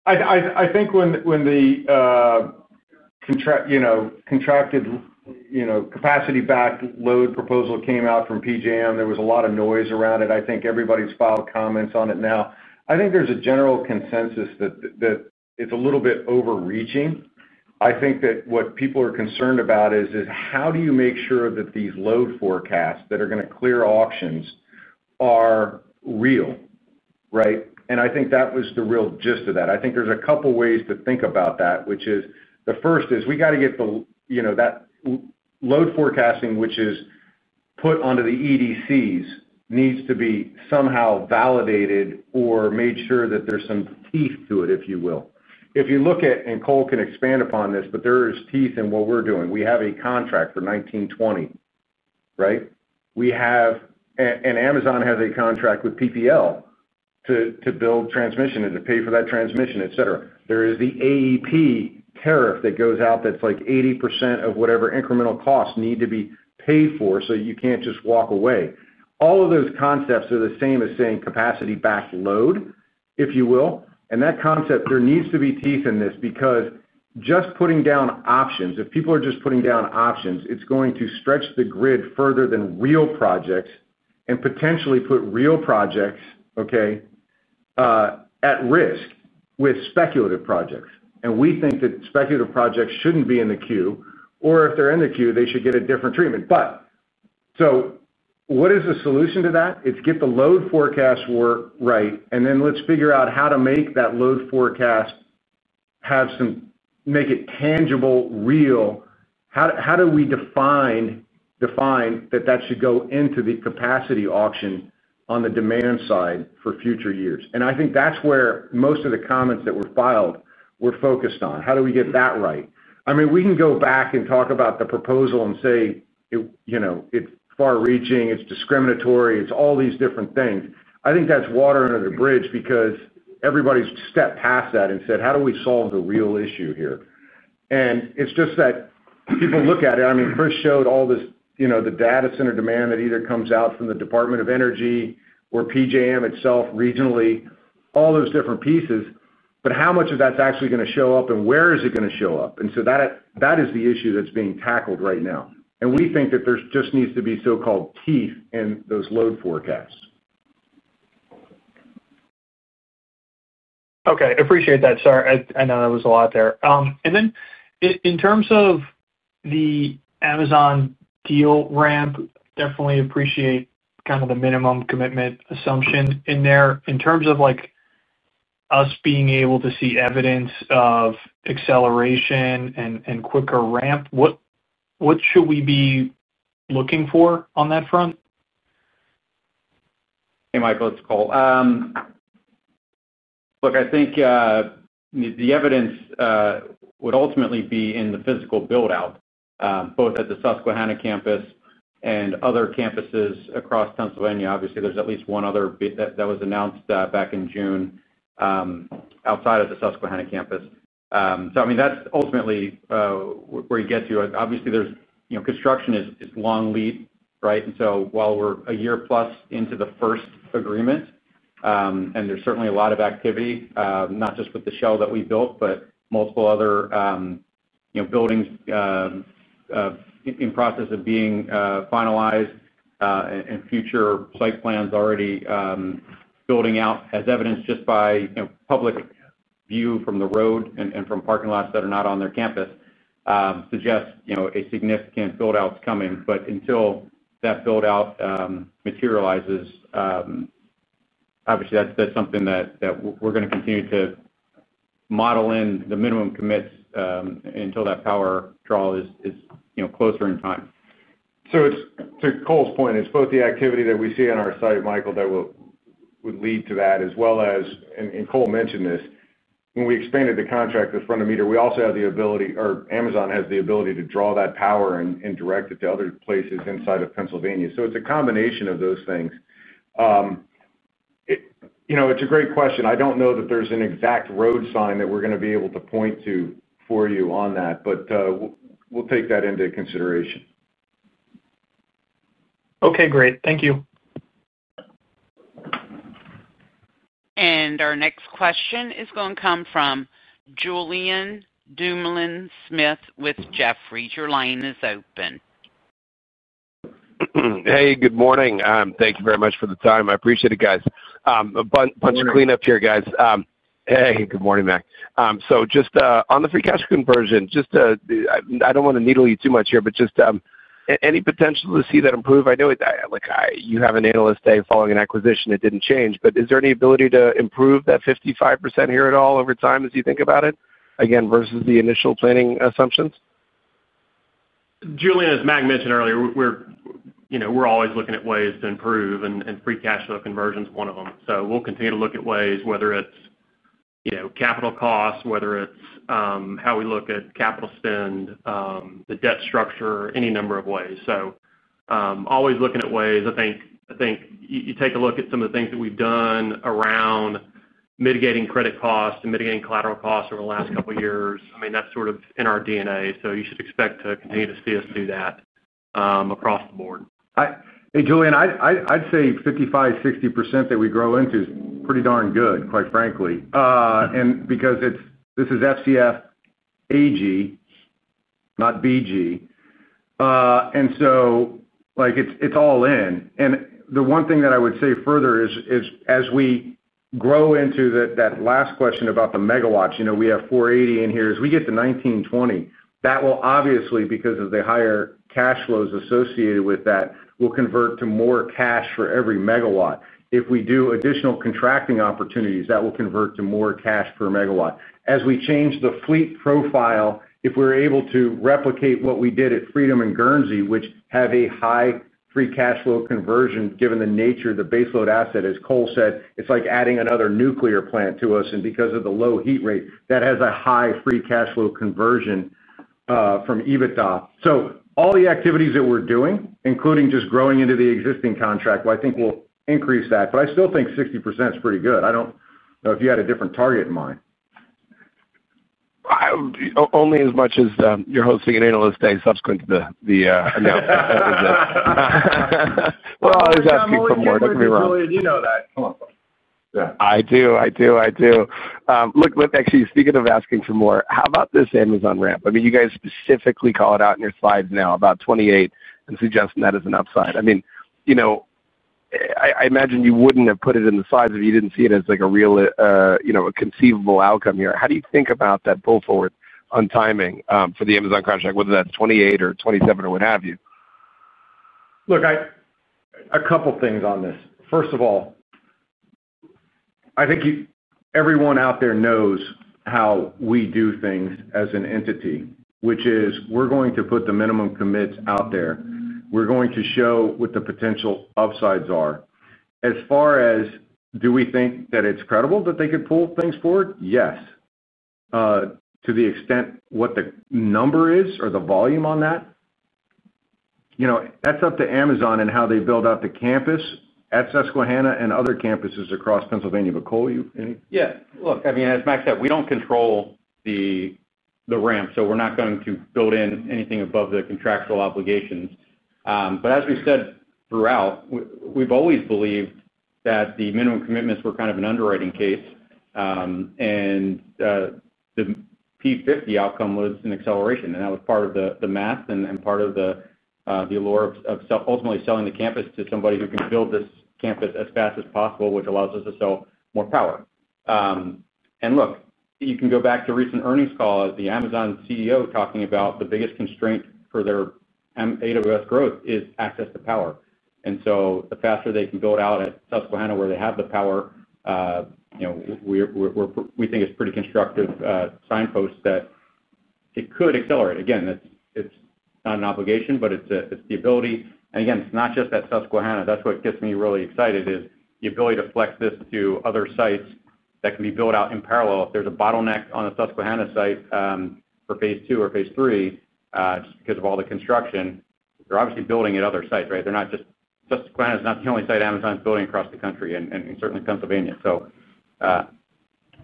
I think when the contracted capacity back load proposal came out from PJM, there was a lot of noise around it. I think everybody's filed comments on it now. I think there's a general consensus that it's a little bit overreaching. What people are concerned about is how do you make sure that these load forecasts that are going to clear auctions are real, right? That was the real gist of that. There's a couple of ways to think about that, which is the first is we got to get the load forecasting, which is put onto the EDCs, needs to be somehow validated or made sure that there's some teeth to it, if you will. If you look at, and Cole can expand upon this, there are teeth in what we're doing. We have a contract for 1920, right? We have, and Amazon has a contract with PPL to build transmission and to pay for that transmission, et cetera. There is the AEP tariff that goes out that's like 80% of whatever incremental costs need to be paid for, so you can't just walk away. All of those concepts are the same as saying capacity back load, if you will. That concept, there needs to be teeth in this because just putting down options, if people are just putting down options, it's going to stretch the grid further than real projects and potentially put real projects at risk with speculative projects. We think that speculative projects shouldn't be in the queue, or if they're in the queue, they should get a different treatment. What is the solution to that? It's get the load forecasts right, and then let's figure out how to make that load forecast have some, make it tangible, real. How do we define that that should go into the capacity auction on the demand side for future years? I think that's where most of the comments that were filed were focused on. How do we get that right? We can go back and talk about the proposal and say it's far-reaching, it's discriminatory, it's all these different things. I think that's water under the bridge because everybody's stepped past that and said, how do we solve the real issue here? It's just that people look at it. Chris showed all this, the data center demand that either comes out from the Department of Energy or PJM itself regionally, all those different pieces. How much of that's actually going to show up and where is it going to show up? That is the issue that's being tackled right now. We think that there just needs to be so-called teeth in those load forecasts. Okay. Appreciate that, sir. I know that was a lot there. In terms of the Amazon Web Services deal ramp, definitely appreciate kind of the minimum commitment assumption in there. In terms of us being able to see evidence of acceleration and quicker ramp, what should we be looking for on that front? Hey, Michael. It's Cole. Look, I think the evidence would ultimately be in the physical build-out, both at the Susquehanna campus and other campuses across Pennsylvania. Obviously, there's at least one other that was announced back in June outside of the Susquehanna campus. That's ultimately where you get to it. Obviously, construction is long lead, right? While we're a year plus into the first agreement, and there's certainly a lot of activity, not just with the shell that we built, but multiple other buildings in process of being finalized and future site plans already building out, as evidenced just by public view from the road and from parking lots that are not on their campus, suggests a significant build-out's coming. Until that build-out materializes, that's something that we're going to continue to model in the minimum commits until that power draw is closer in time. To Cole's point, it's both the activity that we see on our site, Michael, that would lead to that, as well as, and Cole mentioned this, when we expanded the contract with front-of-the-meter, we also have the ability, or Amazon has the ability, to draw that power and direct it to other places inside of Pennsylvania. It's a combination of those things. You know, it's a great question. I don't know that there's an exact road sign that we're going to be able to point to for you on that, but we'll take that into consideration. Okay, great. Thank you. Our next question is going to come from Julian Dumoulin-Smith with Jefferies. Your line is open. Good morning. Thank you very much for the time. I appreciate it, guys. Good morning, Mac. Just on the free cash conversion, I don't want to needle you too much here, but is there any potential to see that improve? I know you have an analyst day following an acquisition that didn't change, but is there any ability to improve that 55% here at all over time as you think about it, again, versus the initial planning assumptions? Julian, as Mac mentioned earlier, we're always looking at ways to improve, and free cash flow conversion is one of them. We'll continue to look at ways, whether it's capital costs, how we look at capital spend, the debt structure, any number of ways. Always looking at ways. I think you take a look at some of the things that we've done around mitigating credit costs and mitigating collateral costs over the last couple of years. That's sort of in our DNA. You should expect to continue to see us do that across the board. Hey, Julian, I'd say 55%, 60% that we grow into is pretty darn good, quite frankly. This is FCF AG, not BG, so it's all in. The one thing that I would say further is as we grow into that last question about the MW, we have 480 in here. As we get to 1920, that will obviously, because of the higher cash flows associated with that, convert to more cash for every MW. If we do additional contracting opportunities, that will convert to more cash per MW. As we change the fleet profile, if we're able to replicate what we did at Freedom and Guernsey, which have a high free cash flow conversion given the nature of the baseload asset, as Cole said, it's like adding another nuclear plant to us. Because of the low heat rate, that has a high free cash flow conversion from EBITDA. All the activities that we're doing, including just growing into the existing contract, I think will increase that. I still think 60% is pretty good. I don't know if you had a different target in mind. Only as much as you're hosting an analyst day subsequent to the announcement. I'll just ask you for more. Don't get me wrong. Julian, you know that. Look, actually, speaking of asking for more, how about this Amazon ramp? I mean, you guys specifically call it out in your slides now about 2028 and suggesting that as an upside. I mean, you know, I imagine you wouldn't have put it in the slides if you didn't see it as like a real, you know, a conceivable outcome here. How do you think about that pull forward on timing for the Amazon contract, whether that's 2028 or 2027 or what have you? Look, a couple of things on this. First of all, I think everyone out there knows how we do things as an entity, which is we're going to put the minimum commits out there. We're going to show what the potential upsides are. As far as do we think that it's credible that they could pull things forward? Yes. To the extent what the number is or the volume on that, you know, that's up to Amazon Web Services and how they build out the campus at Susquehanna and other campuses across Pennsylvania. But Cole, you? Yeah. Look, I mean, as Mac said, we do not control the ramp, so we are not going to build in anything above the contractual obligations. As we said throughout, we have always believed that the minimum commitments were kind of an underwriting case. The PFIT, the outcome was an acceleration. That was part of the math and part of the allure of ultimately selling the campus to somebody who can build this campus as fast as possible, which allows us to sell more power. You can go back to a recent earnings call, the Amazon CEO talking about the biggest constraint for their Amazon Web Services growth is access to power. The faster they can build out at Susquehanna where they have the power, we think it is pretty constructive signposts that it could accelerate. Again, it is not an obligation, but it is the ability. Again, it is not just at Susquehanna. That is what gets me really excited, the ability to flex this to other sites that can be built out in parallel. If there is a bottleneck on the Susquehanna site for phase two or phase three, just because of all the construction, they are obviously building at other sites, right? Susquehanna is not the only site Amazon is building across the country and certainly Pennsylvania.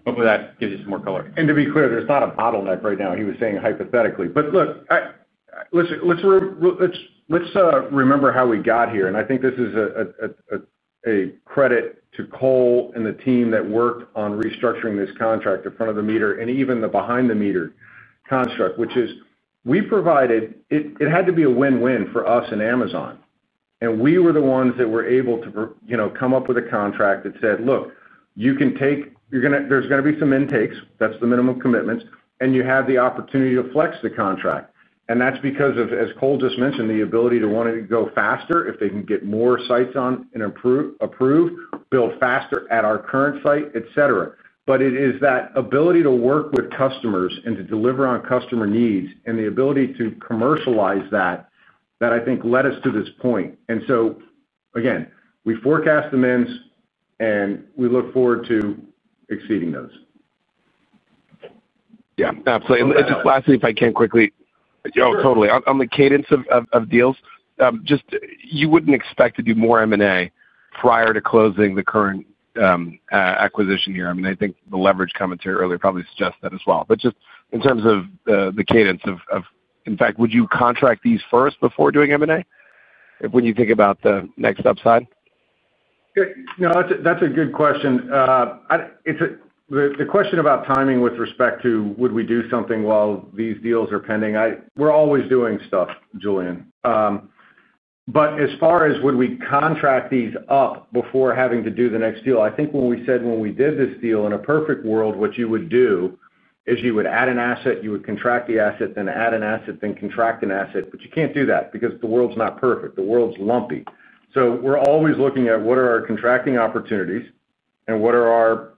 Hopefully that gives you some more color. To be clear, there's not a bottleneck right now. He was saying hypothetically. Look, let's remember how we got here. I think this is a credit to Cole and the team that worked on restructuring this contract, the front-of-the-meter and even the behind-the-meter construct, which is we provided, it had to be a win-win for us and Amazon. We were the ones that were able to come up with a contract that said, look, you can take, there's going to be some intakes. That's the minimum commitments. You have the opportunity to flex the contract. That's because of, as Cole just mentioned, the ability to want to go faster if they can get more sites on and approve, build faster at our current site, et cetera. It is that ability to work with customers and to deliver on customer needs and the ability to commercialize that, that I think led us to this point. Again, we forecast the mens and we look forward to exceeding those. Yeah, absolutely. Just lastly, if I can quickly, on the cadence of deals, you wouldn't expect to do more M&A prior to closing the current acquisition here. I think the leverage commentary earlier probably suggests that as well. In terms of the cadence of, in fact, would you contract these first before doing M&A when you think about the next upside? No, that's a good question. The question about timing with respect to would we do something while these deals are pending, we're always doing stuff, Julian. As far as would we contract these up before having to do the next deal, I think when we said when we did this deal, in a perfect world, what you would do is you would add an asset, you would contract the asset, then add an asset, then contract an asset. You can't do that because the world's not perfect. The world's lumpy. We're always looking at what are our contracting opportunities and what are our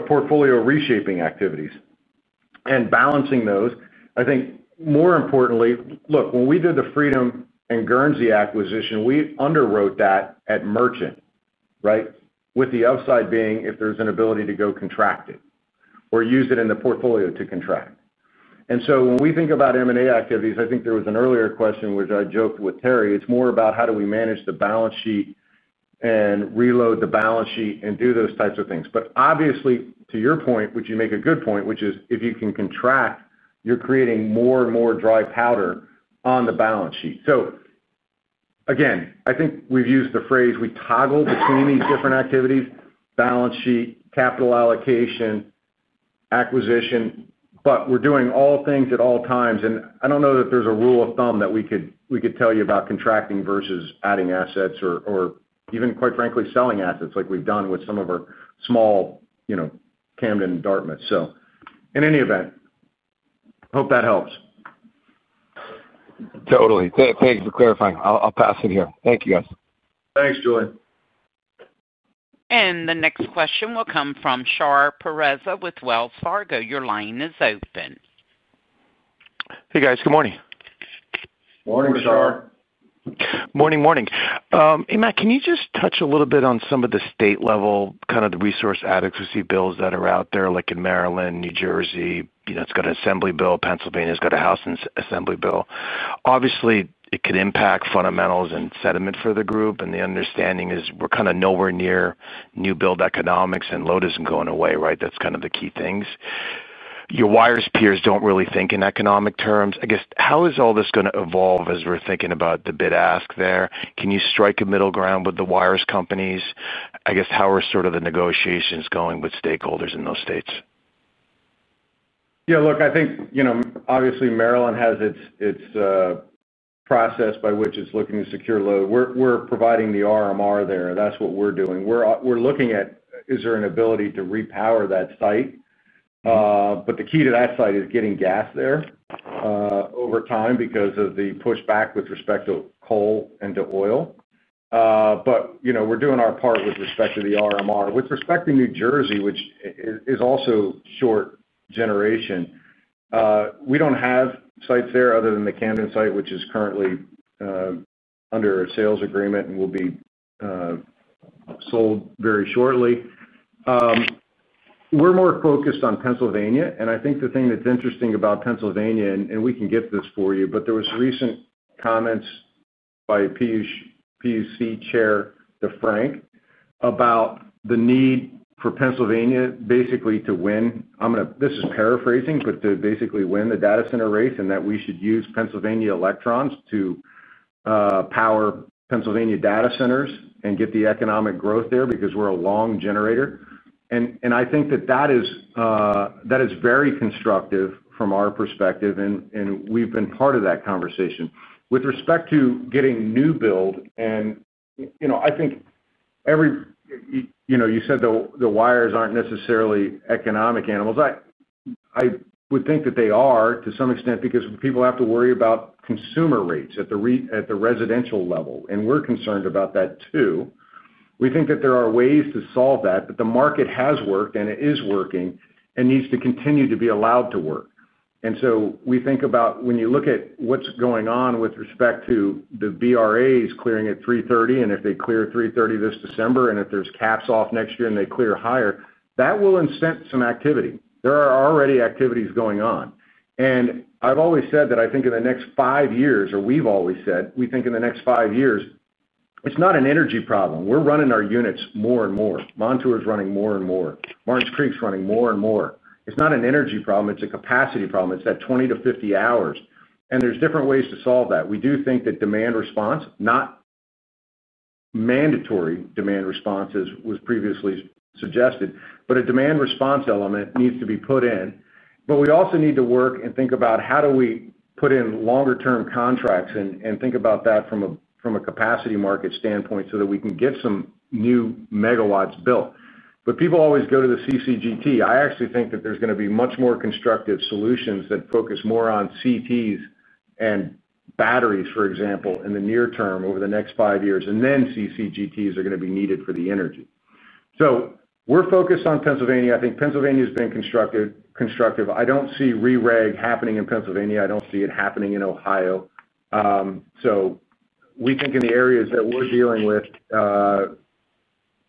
portfolio reshaping activities and balancing those. I think more importantly, look, when we did the Freedom and Guernsey acquisition, we underwrote that at Merchant, right, with the other side. If there's an ability to go contract it or use it in the portfolio to contract. When we think about M&A activities, I think there was an earlier question which I joked with Terry. It's more about how do we manage the balance sheet and reload the balance sheet and do those types of things. Obviously, to your point, which you make a good point, which is if you can contract, you're creating more and more dry powder on the balance sheet. I think we've used the phrase we toggle between these different activities: balance sheet, capital allocation, acquisition. We're doing all things at all times. I don't know that there's a rule of thumb that we could tell you about contracting versus adding assets or even, quite frankly, selling assets like we've done with some of our small, you know, Camden and Dartmouth. In any event, I hope that helps. Totally. Thanks for clarifying. I'll pass it here. Thank you, guys. Thanks, Julien. The next question will come from Shar Pourreza with Wells Fargo. Your line is open. Hey, guys. Good morning. Morning, Shar. Good morning. Morning. Hey, Mac, can you just touch a little bit on some of the state-level kind of the resource adequacy bills that are out there, like in Maryland, New Jersey? You know, it's got an assembly bill. Pennsylvania's got a House and Assembly bill. Obviously, it could impact fundamentals and sentiment for the group. The understanding is we're kind of nowhere near new build economics and [LODIS] and going away, right? That's kind of the key things. Your wires peers don't really think in economic terms. I guess how is all this going to evolve as we're thinking about the bid ask there? Can you strike a middle ground with the wires companies? I guess how are sort of the negotiations going with stakeholders in those states? Yeah, look, I think, you know, obviously Maryland has its process by which it's looking to secure [LOD]. We're providing the RMR there. That's what we're doing. We're looking at is there an ability to repower that site? The key to that site is getting gas there over time because of the pushback with respect to coal and to oil. We're doing our part with respect to the RMR. With respect to New Jersey, which is also short generation, we don't have sites there other than the Camden site, which is currently under a sales agreement and will be sold very shortly. We're more focused on Pennsylvania. I think the thing that's interesting about Pennsylvania, and we can get this for you, but there were some recent comments by PUC Chair DeFrank about the need for Pennsylvania basically to win. I'm going to, this is paraphrasing, but to basically win the data center race and that we should use Pennsylvania electrons to power Pennsylvania data centers and get the economic growth there because we're a long generator. I think that that is very constructive from our perspective, and we've been part of that conversation. With respect to getting new build, I think every, you know, you said the wires aren't necessarily economic animals. I would think that they are to some extent because people have to worry about consumer rates at the residential level, and we're concerned about that too. We think that there are ways to solve that, but the market has worked and it is working and needs to continue to be allowed to work. We think about when you look at what's going on with respect to the BRAs clearing at $330 and if they clear $330 this December and if there's caps off next year and they clear higher, that will incent some activity. There are already activities going on. I've always said that I think in the next five years, or we've always said, we think in the next five years, it's not an energy problem. We're running our units more and more. Montour is running more and more. Martin's Creek's running more and more. It's not an energy problem. It's a capacity problem. It's that 20-50 hours. There's different ways to solve that. We do think that demand response, not mandatory demand response, as was previously suggested, but a demand response element needs to be put in. We also need to work and think about how do we put in longer-term contracts and think about that from a capacity market standpoint so that we can get some new MW built. People always go to the CCGT. I actually think that there's going to be much more constructive solutions that focus more on CTs and batteries, for example, in the near term over the next five years. CCGTs are going to be needed for the energy. We're focused on Pennsylvania. I think Pennsylvania's been constructive. I don't see re-reg happening in Pennsylvania. I don't see it happening in Ohio. We think in the areas that we're dealing with,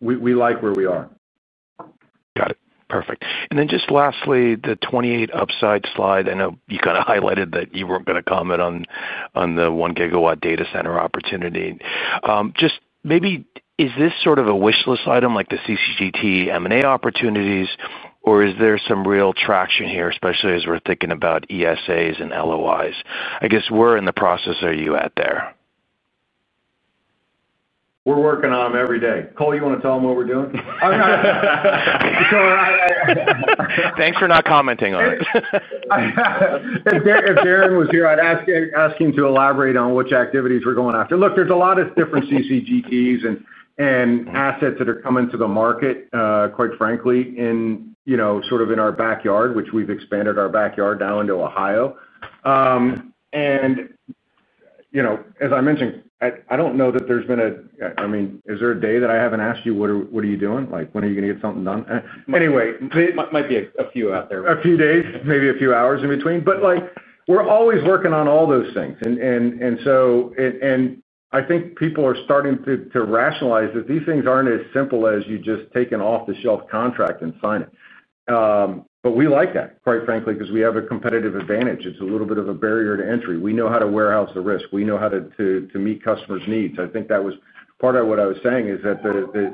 we like where we are. Got it. Perfect. Lastly, the 28 upside slide, I know you kind of highlighted that you weren't going to comment on the one GW data center opportunity. Maybe is this sort of a wishlist item like the CCGT M&A opportunities, or is there some real traction here, especially as we're thinking about ESAs and LOIs? I guess we're in the process. Are you at there? We're working on them every day. Cole, you want to tell them what we're doing? Thanks for not commenting on it. If Darren was here, I'd ask him to elaborate on which activities we're going after. Look, there's a lot of different combined-cycle gas turbines and assets that are coming to the market, quite frankly, in our backyard, which we've expanded our backyard down into Ohio. As I mentioned, I don't know that there's been a, I mean, is there a day that I haven't asked you, what are you doing? Like, when are you going to get something done? Anyway. Might be a few out there. A few days, maybe a few hours in between. We're always working on all those things. I think people are starting to rationalize that these things aren't as simple as you just take an off-the-shelf contract and sign it. We like that, quite frankly, because we have a competitive advantage. It's a little bit of a barrier to entry. We know how to warehouse the risk. We know how to meet customers' needs. I think that was part of what I was saying is that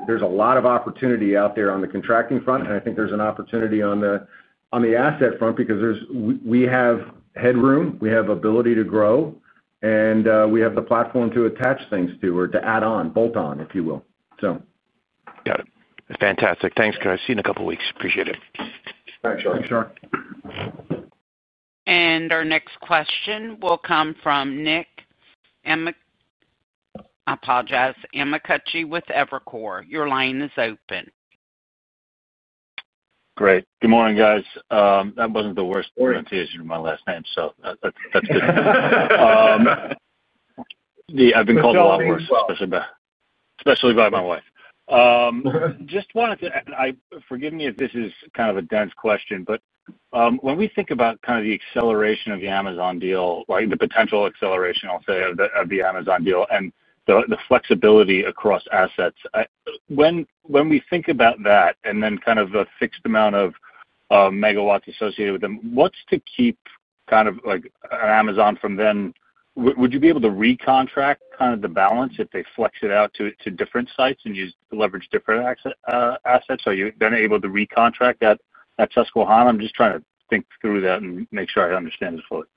there's a lot of opportunity out there on the contracting front. I think there's an opportunity on the asset front because we have headroom, we have ability to grow, and we have the platform to attach things to or to add on, bolt on, if you will. Got it. Fantastic. Thanks, guys. See you in a couple of weeks. Appreciate it. All right, Shar. Thanks, Shar. Our next question will come from Nick Amicucci with Evercore. Your line is open. Great. Good morning, guys. That wasn't the worst pronunciation of my last name, so that's good. I've been called a lot worse, especially by my wife. Just wanted to, forgive me if this is kind of a dense question, but when we think about kind of the acceleration of the Amazon Web Services deal, right, the potential acceleration, I'll say, of the Amazon Web Services deal and the flexibility across assets, when we think about that and then kind of a fixed amount of MW associated with them, what's to keep kind of like an Amazon Web Services from then? Would you be able to recontract kind of the balance if they flex it out to different sites and leverage different assets? Are you then able to recontract that at Susquehanna? I'm just trying to think through that and make sure I understand this fully.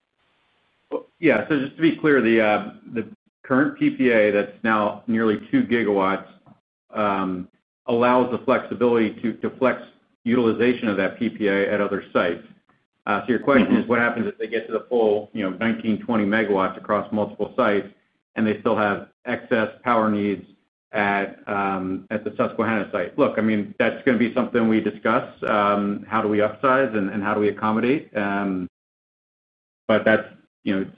Yeah. Just to be clear, the current PPA that's now nearly 2 GW allows the flexibility to flex utilization of that PPA at other sites. Your question is, what happens if they get to the full, you know, 1,920 MW across multiple sites and they still have excess power needs at the Susquehanna site? Look, I mean, that's going to be something we discuss. How do we upsize and how do we accommodate? That's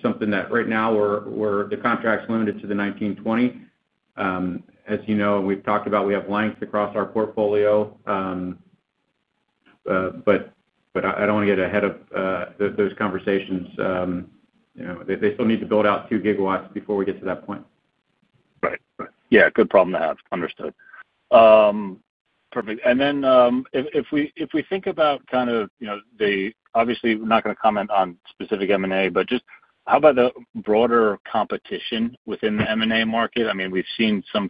something that right now, the contract's limited to the 1920. As you know, we've talked about, we have length across our portfolio. I don't want to get ahead of those conversations. They still need to build out 2 GW before we get to that point. Right. Yeah, good problem to have. Understood. Perfect. If we think about, obviously we're not going to comment on specific M&A, how about the broader competition within the M&A market? We've seen some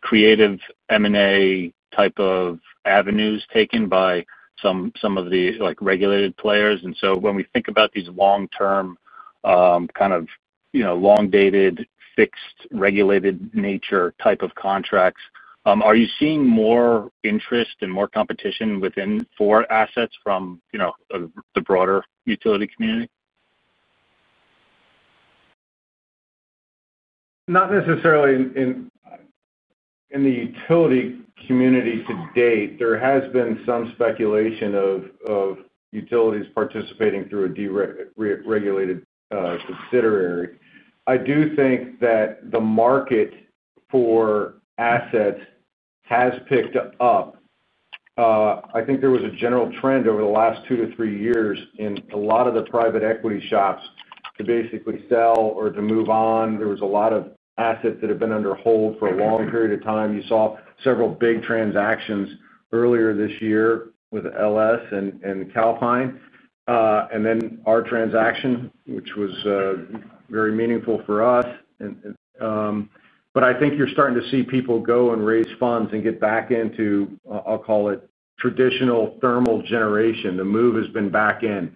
creative M&A type of avenues taken by some of the regulated players. When we think about these long-term, long-dated, fixed, regulated nature type of contracts, are you seeing more interest and more competition for assets from the broader utility community? Not necessarily in the utility community to date. There has been some speculation of utilities participating through a deregulated subsidiary. I do think that the market for assets has picked up. I think there was a general trend over the last two to three years in a lot of the private equity shops to basically sell or to move on. There were a lot of assets that have been under hold for a long period of time. You saw several big transactions earlier this year with LS and Calpine, and then our transaction, which was very meaningful for us. I think you're starting to see people go and raise funds and get back into, I'll call it, traditional thermal generation. The move has been back in.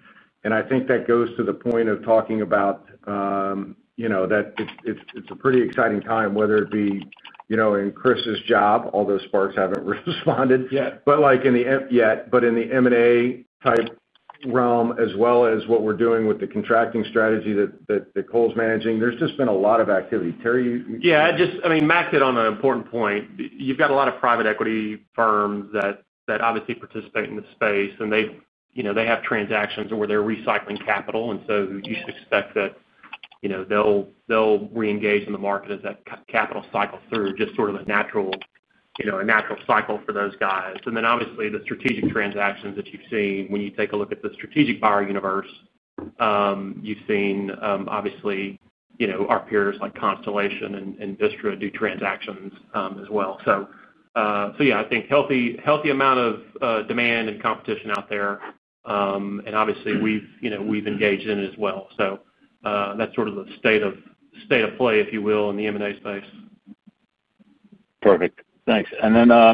I think that goes to the point of talking about that it's a pretty exciting time, whether it be in Chris Morice's job, although sparks haven't responded yet, but in the M&A type realm, as well as what we're doing with the contracting strategy that Cole Muller's managing, there's just been a lot of activity. Terry. Yeah, I just, I mean, Max hit on an important point. You've got a lot of private equity firms that obviously participate in this space. They have transactions where they're recycling capital, and you should expect that they'll re-engage in the market as that capital cycles through, just sort of a natural cycle for those guys. Obviously, the strategic transactions that you've seen, when you take a look at the strategic buyer universe, you've seen our peers like Constellation and Vistra do transactions as well. I think healthy amount of demand and competition out there, and obviously we've engaged in it as well. That's sort of the state of play, if you will, in the M&A space. Perfect. Thanks.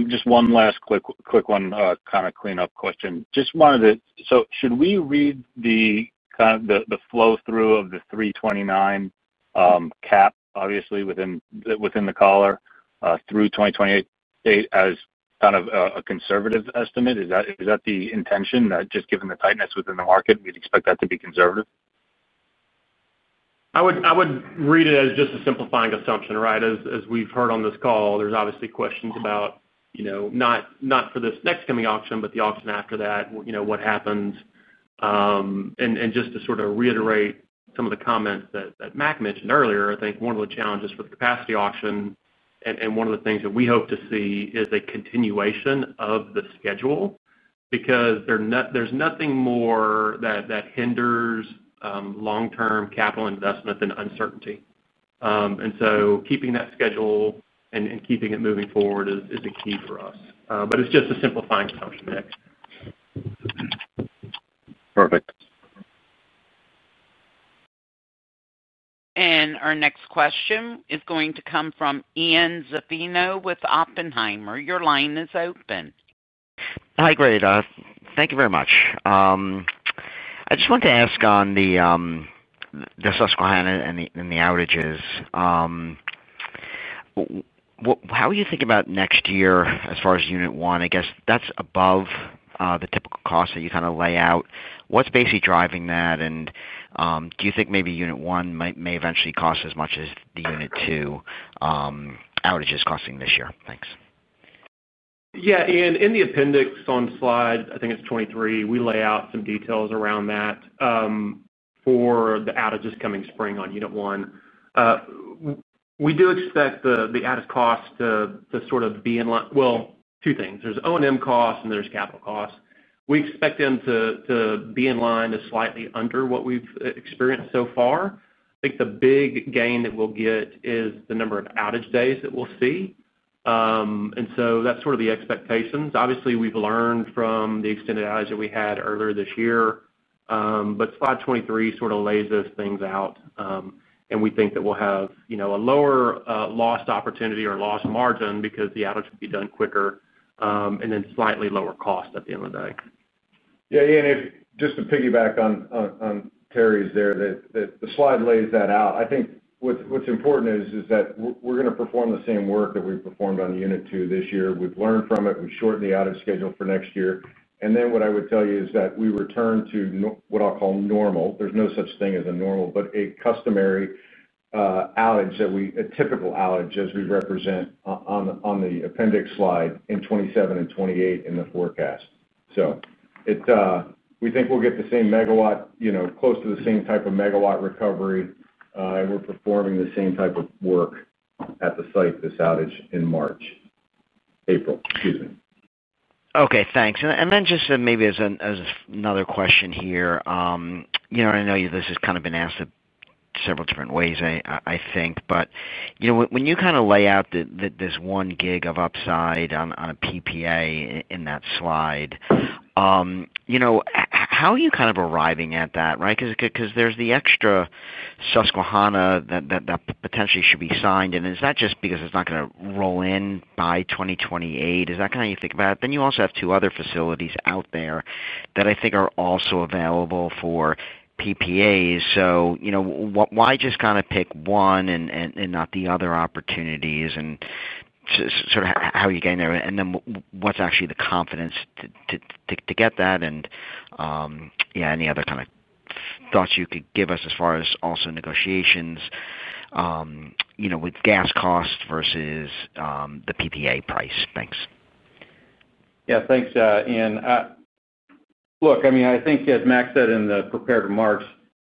Just one last quick one, kind of cleanup question. Should we read the flow-through of the $329 cap, obviously within the collar through 2028, as kind of a conservative estimate? Is that the intention, that just given the tightness within the market, we'd expect that to be conservative? I would read it as just a simplifying assumption, right? As we've heard on this call, there's obviously questions about, you know, not for this next coming auction, but the auction after that, you know, what happens. To sort of reiterate some of the comments that Mark McFarland mentioned earlier, I think one of the challenges with the capacity auction and one of the things that we hope to see is a continuation of the schedule because there's nothing more that hinders long-term capital investment than uncertainty. Keeping that schedule and keeping it moving forward is the key for us. It's just a simplifying assumption there. Our next question is going to come from Ian Zaffino with Oppenheimer. Your line is open. Hi, great. Thank you very much. I just wanted to ask on the Susquehanna and the outages. How are you thinking about next year as far as unit one? I guess that's above the typical cost that you kind of lay out. What's basically driving that? Do you think maybe unit one may eventually cost as much as the unit two outages costing this year? Thanks. Yeah, Ian, in the appendix on slide, I think it's 23, we lay out some details around that for the outages coming spring on unit one. We do expect the outage cost to sort of be in line. Two things. There's O&M cost and there's capital cost. We expect them to be in line to slightly under what we've experienced so far. I think the big gain that we'll get is the number of outage days that we'll see. That's sort of the expectations. Obviously, we've learned from the extended outage that we had earlier this year. Slide 23 lays those things out. We think that we'll have a lower lost opportunity or lost margin because the outage will be done quicker and then slightly lower cost at the end of the day. Yeah, Ian, just to piggyback on Terry's there, the slide lays that out. I think what's important is that we're going to perform the same work that we performed on unit two this year. We've learned from it. We've shortened the outage schedule for next year. What I would tell you is that we return to what I'll call normal. There's no such thing as a normal, but a customary outage, a typical outage, as we represent on the appendix slide in 2027 and 2028 in the forecast. We think we'll get the same MW, you know, close to the same type of MW recovery. We're performing the same type of work at the site this outage in March, April, excuse me. Okay, thanks. Maybe as another question here, you know, and I know this has kind of been asked in several different ways, I think. When you kind of lay out that there's one gig of upside on a PPA in that slide, how are you kind of arriving at that, right? There's the extra Susquehanna that potentially should be signed. It's not just because it's not going to roll in by 2028. Is that kind of how you think about it? You also have two other facilities out there that I think are also available for PPAs. Why just kind of pick one and not the other opportunities? How are you getting there? What's actually the confidence to get that? Any other kind of thoughts you could give us as far as also negotiations with gas costs versus the PPA price? Thanks. Yeah, thanks, Ian. Look, I mean, I think as Max said in the prepared remarks,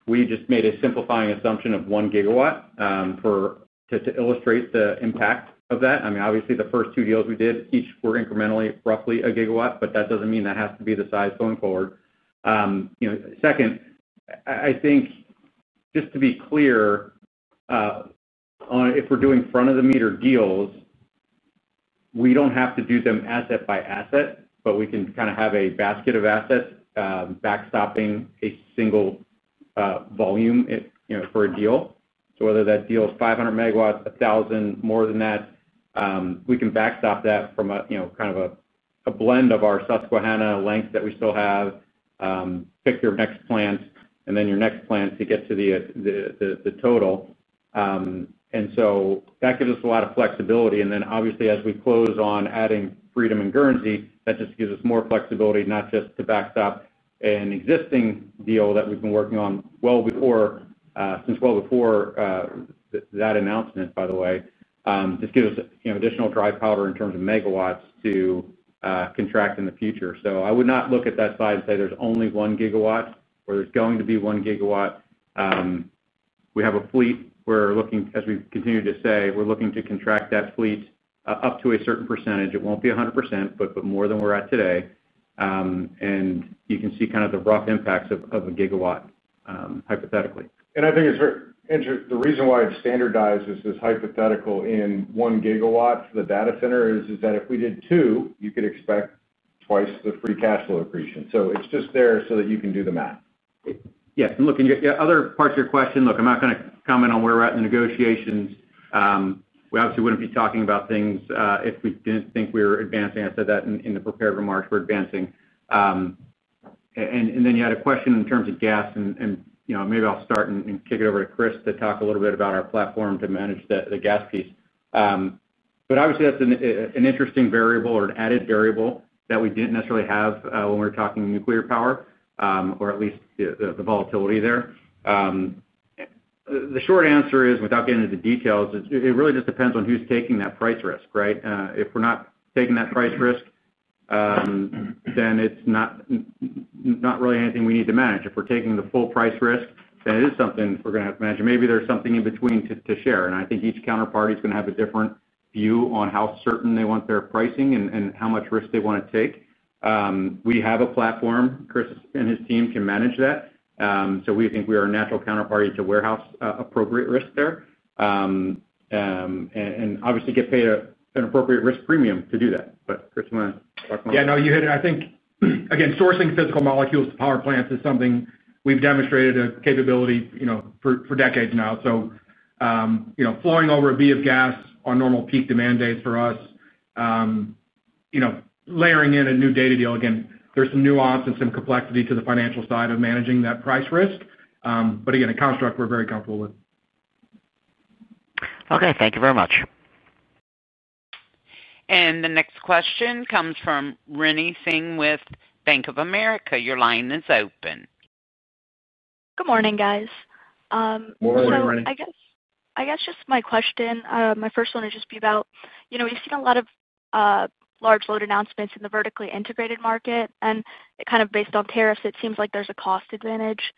we just made a simplifying assumption of one GW to illustrate the impact of that. Obviously, the first two deals we did, each were incrementally roughly a GW, but that doesn't mean that has to be the size going forward. Second, I think just to be clear, if we're doing front-of-the-meter deals, we don't have to do them asset by asset, but we can kind of have a basket of assets backstopping a single volume for a deal. Whether that deal is 500 MW, 1,000, more than that, we can backstop that from a kind of a blend of our Susquehanna lengths that we still have, pick your next plant, and then your next plant to get to the total. That gives us a lot of flexibility. Obviously, as we close on adding Freedom and Guernsey, that just gives us more flexibility, not just to backstop an existing deal that we've been working on since well before that announcement, by the way. This gives us additional dry powder in terms of MW to contract in the future. I would not look at that slide and say there's only one GW or there's going to be one GW. We have a fleet. We're looking, as we continue to say, we're looking to contract that fleet up to a certain %. It won't be 100%, but more than we're at today. You can see kind of the rough impacts of a GW, hypothetically. I think it's very interesting. The reason why it's standardized as this hypothetical in one GW for the data center is that if we did two, you could expect twice the free cash flow accretion. It's just there so that you can do the math. Yeah. In your other parts of your question, I'm not going to comment on where we're at in the negotiations. We obviously wouldn't be talking about things if we didn't think we were advancing. I said that in the prepared remarks, we're advancing. You had a question in terms of gas, and maybe I'll start and kick it over to Chris to talk a little bit about our platform to manage the gas piece. Obviously, that's an interesting variable or an added variable that we didn't necessarily have when we're talking nuclear power, or at least the volatility there. The short answer is, without getting into the details, it really just depends on who's taking that price risk, right? If we're not taking that price risk, then it's not really anything we need to manage. If we're taking the full price risk, then it is something we're going to have to manage. Maybe there's something in between to share. I think each counterparty is going to have a different view on how certain they want their pricing and how much risk they want to take. We have a platform. Chris and his team can manage that. We think we are a natural counterparty to warehouse appropriate risk there and obviously get paid an appropriate risk premium to do that. Chris, you want to talk about? Yeah, no, you hit it. I think, again, sourcing physical molecules to power plants is something we've demonstrated a capability, you know, for decades now. Flooring over a B of gas on normal peak demand dates for us, layering in a new data deal. Again, there's some nuance and some complexity to the financial side of managing that price risk, but again, a construct we're very comfortable with. Okay, thank you very much. The next question comes from Rinny Singh with Bank of America. Your line is open. Good morning, guys. Morning, Rinny. I guess just my question, my first one would just be about, you know, we've seen a lot of large load announcements in the vertically integrated market. It kind of based on tariffs, it seems like there's a cost advantage.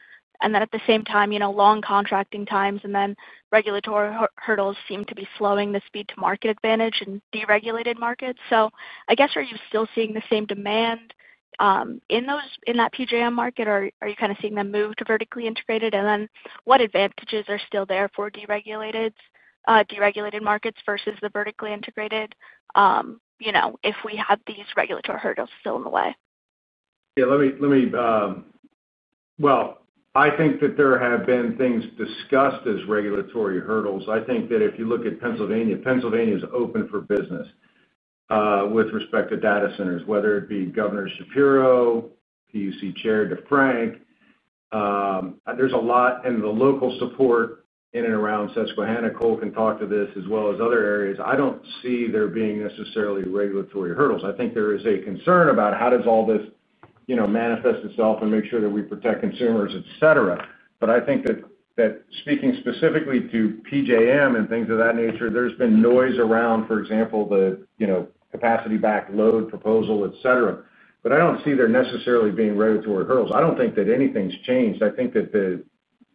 At the same time, you know, long contracting times and then regulatory hurdles seem to be slowing the speed to market advantage in deregulated markets. I guess are you still seeing the same demand in that PJM market, or are you kind of seeing them move to vertically integrated? What advantages are still there for deregulated markets versus the vertically integrated, you know, if we have these regulatory hurdles still in the way? Let me, I think that there have been things discussed as regulatory hurdles. I think that if you look at Pennsylvania, Pennsylvania is open for business with respect to data centers, whether it be Governor Shapiro, PUC Chair DeFranc. There's a lot in the local support in and around Susquehanna. Cole can talk to this as well as other areas. I don't see there being necessarily regulatory hurdles. I think there is a concern about how does all this manifest itself and make sure that we protect consumers, etc. I think that speaking specifically to PJM and things of that nature, there's been noise around, for example, the capacity back load proposal, etc. I don't see there necessarily being regulatory hurdles. I don't think that anything's changed. I think that the,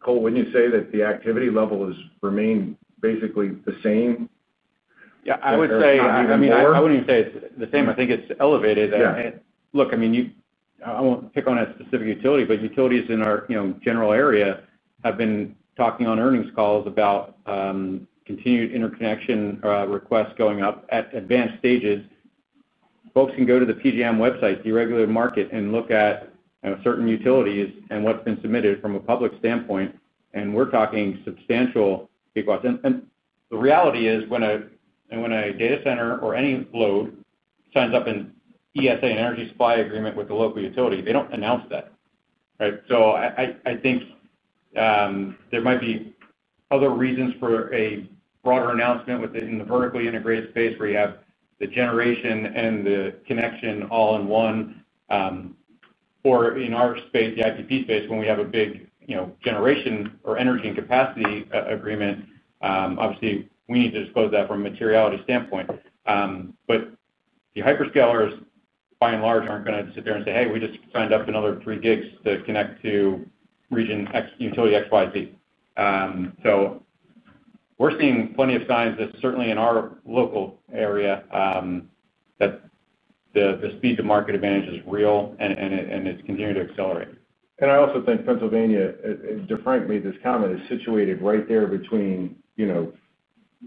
Cole, wouldn't you say that the activity level has remained basically the same? Yeah, I would say, I mean, I wouldn't even say it's the same. I think it's elevated. Look, you, I won't pick on that specific utility, but utilities in our general area have been talking on earnings calls about continued interconnection requests going up at advanced stages. Folks can go to the PJM website, deregulated market, and look at certain utilities and what's been submitted from a public standpoint. We're talking substantial peak watts. The reality is when a data center or any load signs up in an energy supply agreement with the local utility, they don't announce that, right? I think there might be other reasons for a broader announcement within the vertically integrated space where you have the generation and the connection all in one. In our space, the IPP space, when we have a big generation or energy and capacity agreement, obviously, we need to disclose that from a materiality standpoint. The hyperscalers, by and large, aren't going to sit there and say, "Hey, we just signed up another three gigs to connect to region X, utility X, Y, Z." We're seeing plenty of signs that certainly in our local area the speed to market advantage is real and it's continuing to accelerate. I also think Pennsylvania, as DeFrank made this comment, is situated right there between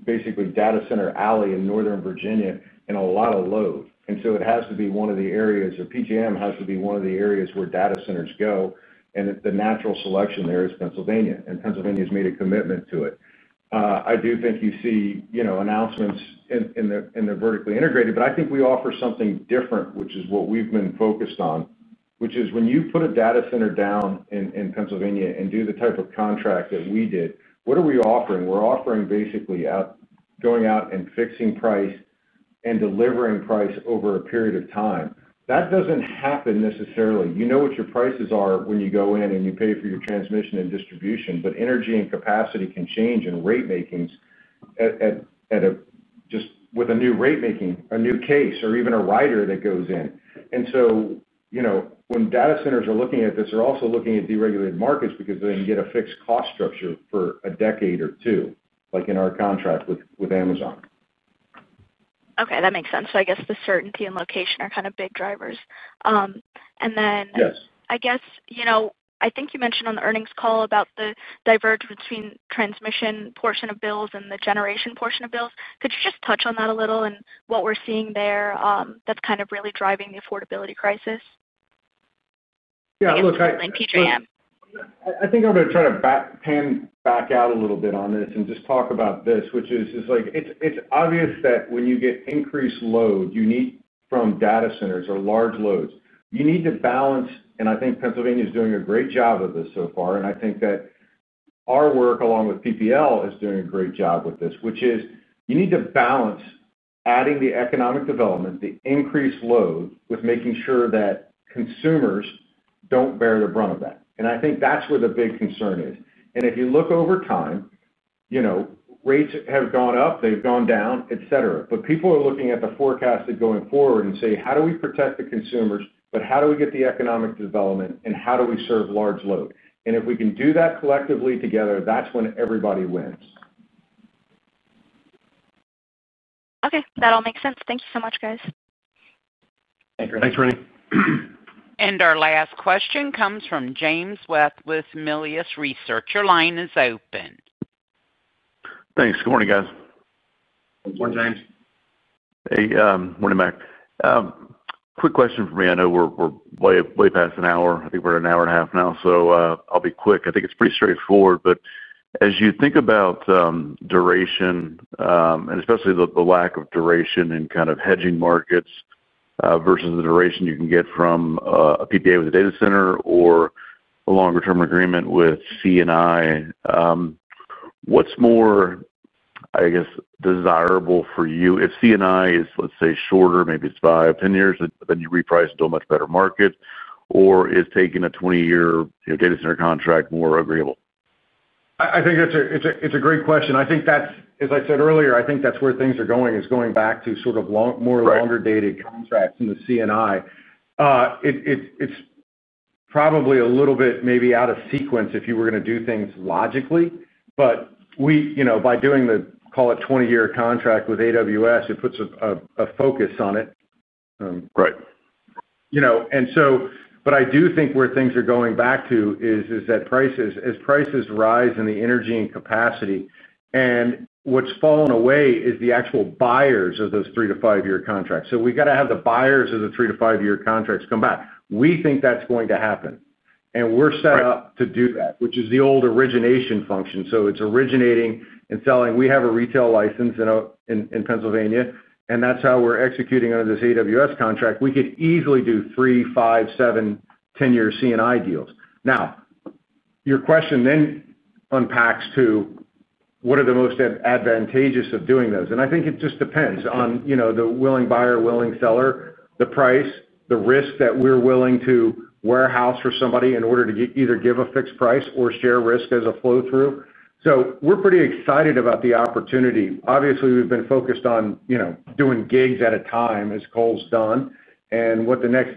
basically data center alley in Northern Virginia and a lot of load. It has to be one of the areas that PJM has to be one of the areas where data centers go. The natural selection there is Pennsylvania, and Pennsylvania has made a commitment to it. I do think you see announcements in the vertically integrated, but I think we offer something different, which is what we've been focused on, which is when you put a data center down in Pennsylvania and do the type of contract that we did, what are we offering? We're offering basically going out and fixing price and delivering price over a period of time. That doesn't happen necessarily. You know what your prices are when you go in and you pay for your transmission and distribution, but energy and capacity can change in rate makings with a new rate making, a new case, or even a rider that goes in. When data centers are looking at this, they're also looking at deregulated markets because then you get a fixed cost structure for a decade or two, like in our contract with Amazon Web Services. Okay, that makes sense. I guess the certainty and location are kind of big drivers. I think you mentioned on the earnings call about the diverge between the transmission portion of bills and the generation portion of bills. Could you just touch on that a little and what we're seeing there that's kind of really driving the affordability crisis? Yeah, look, I think I'm going to try to pan back out a little bit on this and just talk about this, which is like it's obvious that when you get increased load, you need from data centers or large loads, you need to balance. I think Pennsylvania is doing a great job of this so far. I think that our work along with PPL is doing a great job with this, which is you need to balance adding the economic development, the increased load with making sure that consumers don't bear the brunt of that. I think that's where the big concern is. If you look over time, you know, rates have gone up, they've gone down, etc. People are looking at the forecast going forward and say, how do we protect the consumers, but how do we get the economic development and how do we serve large load? If we can do that collectively together, that's when everybody wins. Okay, that all makes sense. Thank you so much, guys. Thanks, Rinny. Our last question comes from James West with Melius Research. Your line is open. Thanks. Good morning, guys. Morning, James. Hey, morning, Mac. Quick question for me. I know we're way past an hour. I think we're at an hour and a half now, so I'll be quick. I think it's pretty straightforward. As you think about duration, and especially the lack of duration in kind of hedging markets versus the duration you can get from a PPA with a data center or a longer-term agreement with CNI, what's more, I guess, desirable for you? If CNI is, let's say, shorter, maybe it's 5, 10 years, then you reprice into a much better market, or is taking a 20-year data center contract more agreeable? I think that's a great question. I think that's, as I said earlier, where things are going, is going back to sort of long, more longer-dated contracts in the CNI. It's probably a little bit maybe out of sequence if you were going to do things logically. By doing the, call it, 20-year contract with Amazon Web Services, it puts a focus on it. Right. You know, I do think where things are going back to is that prices, as prices rise in the energy and capacity, what's fallen away is the actual buyers of those three to five-year contracts. We have to have the buyers of the three to five-year contracts come back. We think that's going to happen, and we're set up to do that, which is the old origination function. It's originating and selling. We have a retail license in Pennsylvania, and that's how we're executing under this AWS contract. We could easily do three, five, seven, ten-year CNI deals. Your question then unpacks to what are the most advantageous of doing those. I think it just depends on the willing buyer, willing seller, the price, the risk that we're willing to warehouse for somebody in order to either give a fixed price or share risk as a flow-through. We're pretty excited about the opportunity. Obviously, we've been focused on doing gigs at a time, as Cole's done, and what the next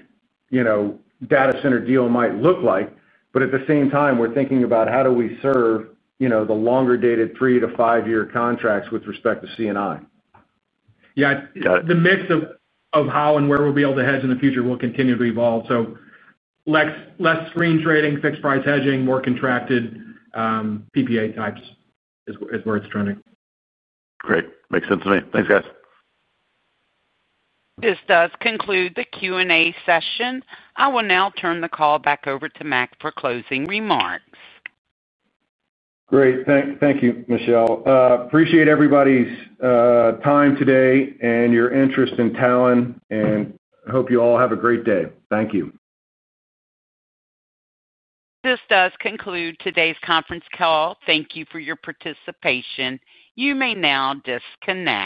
data center deal might look like. At the same time, we're thinking about how do we serve the longer-dated three to five-year contracts with respect to CNI. Yeah, the mix of how and where we'll be able to hedge in the future will continue to evolve. Less screen trading, fixed price hedging, more contracted PPA types is where it's turning. Great. Makes sense to me. Thanks, guys. This does conclude the Q&A session. I will now turn the call back over to Mac for closing remarks. Great. Thank you, Michele. Appreciate everybody's time today and your interest in Talen, and hope you all have a great day. Thank you. This does conclude today's conference call. Thank you for your participation. You may now disconnect.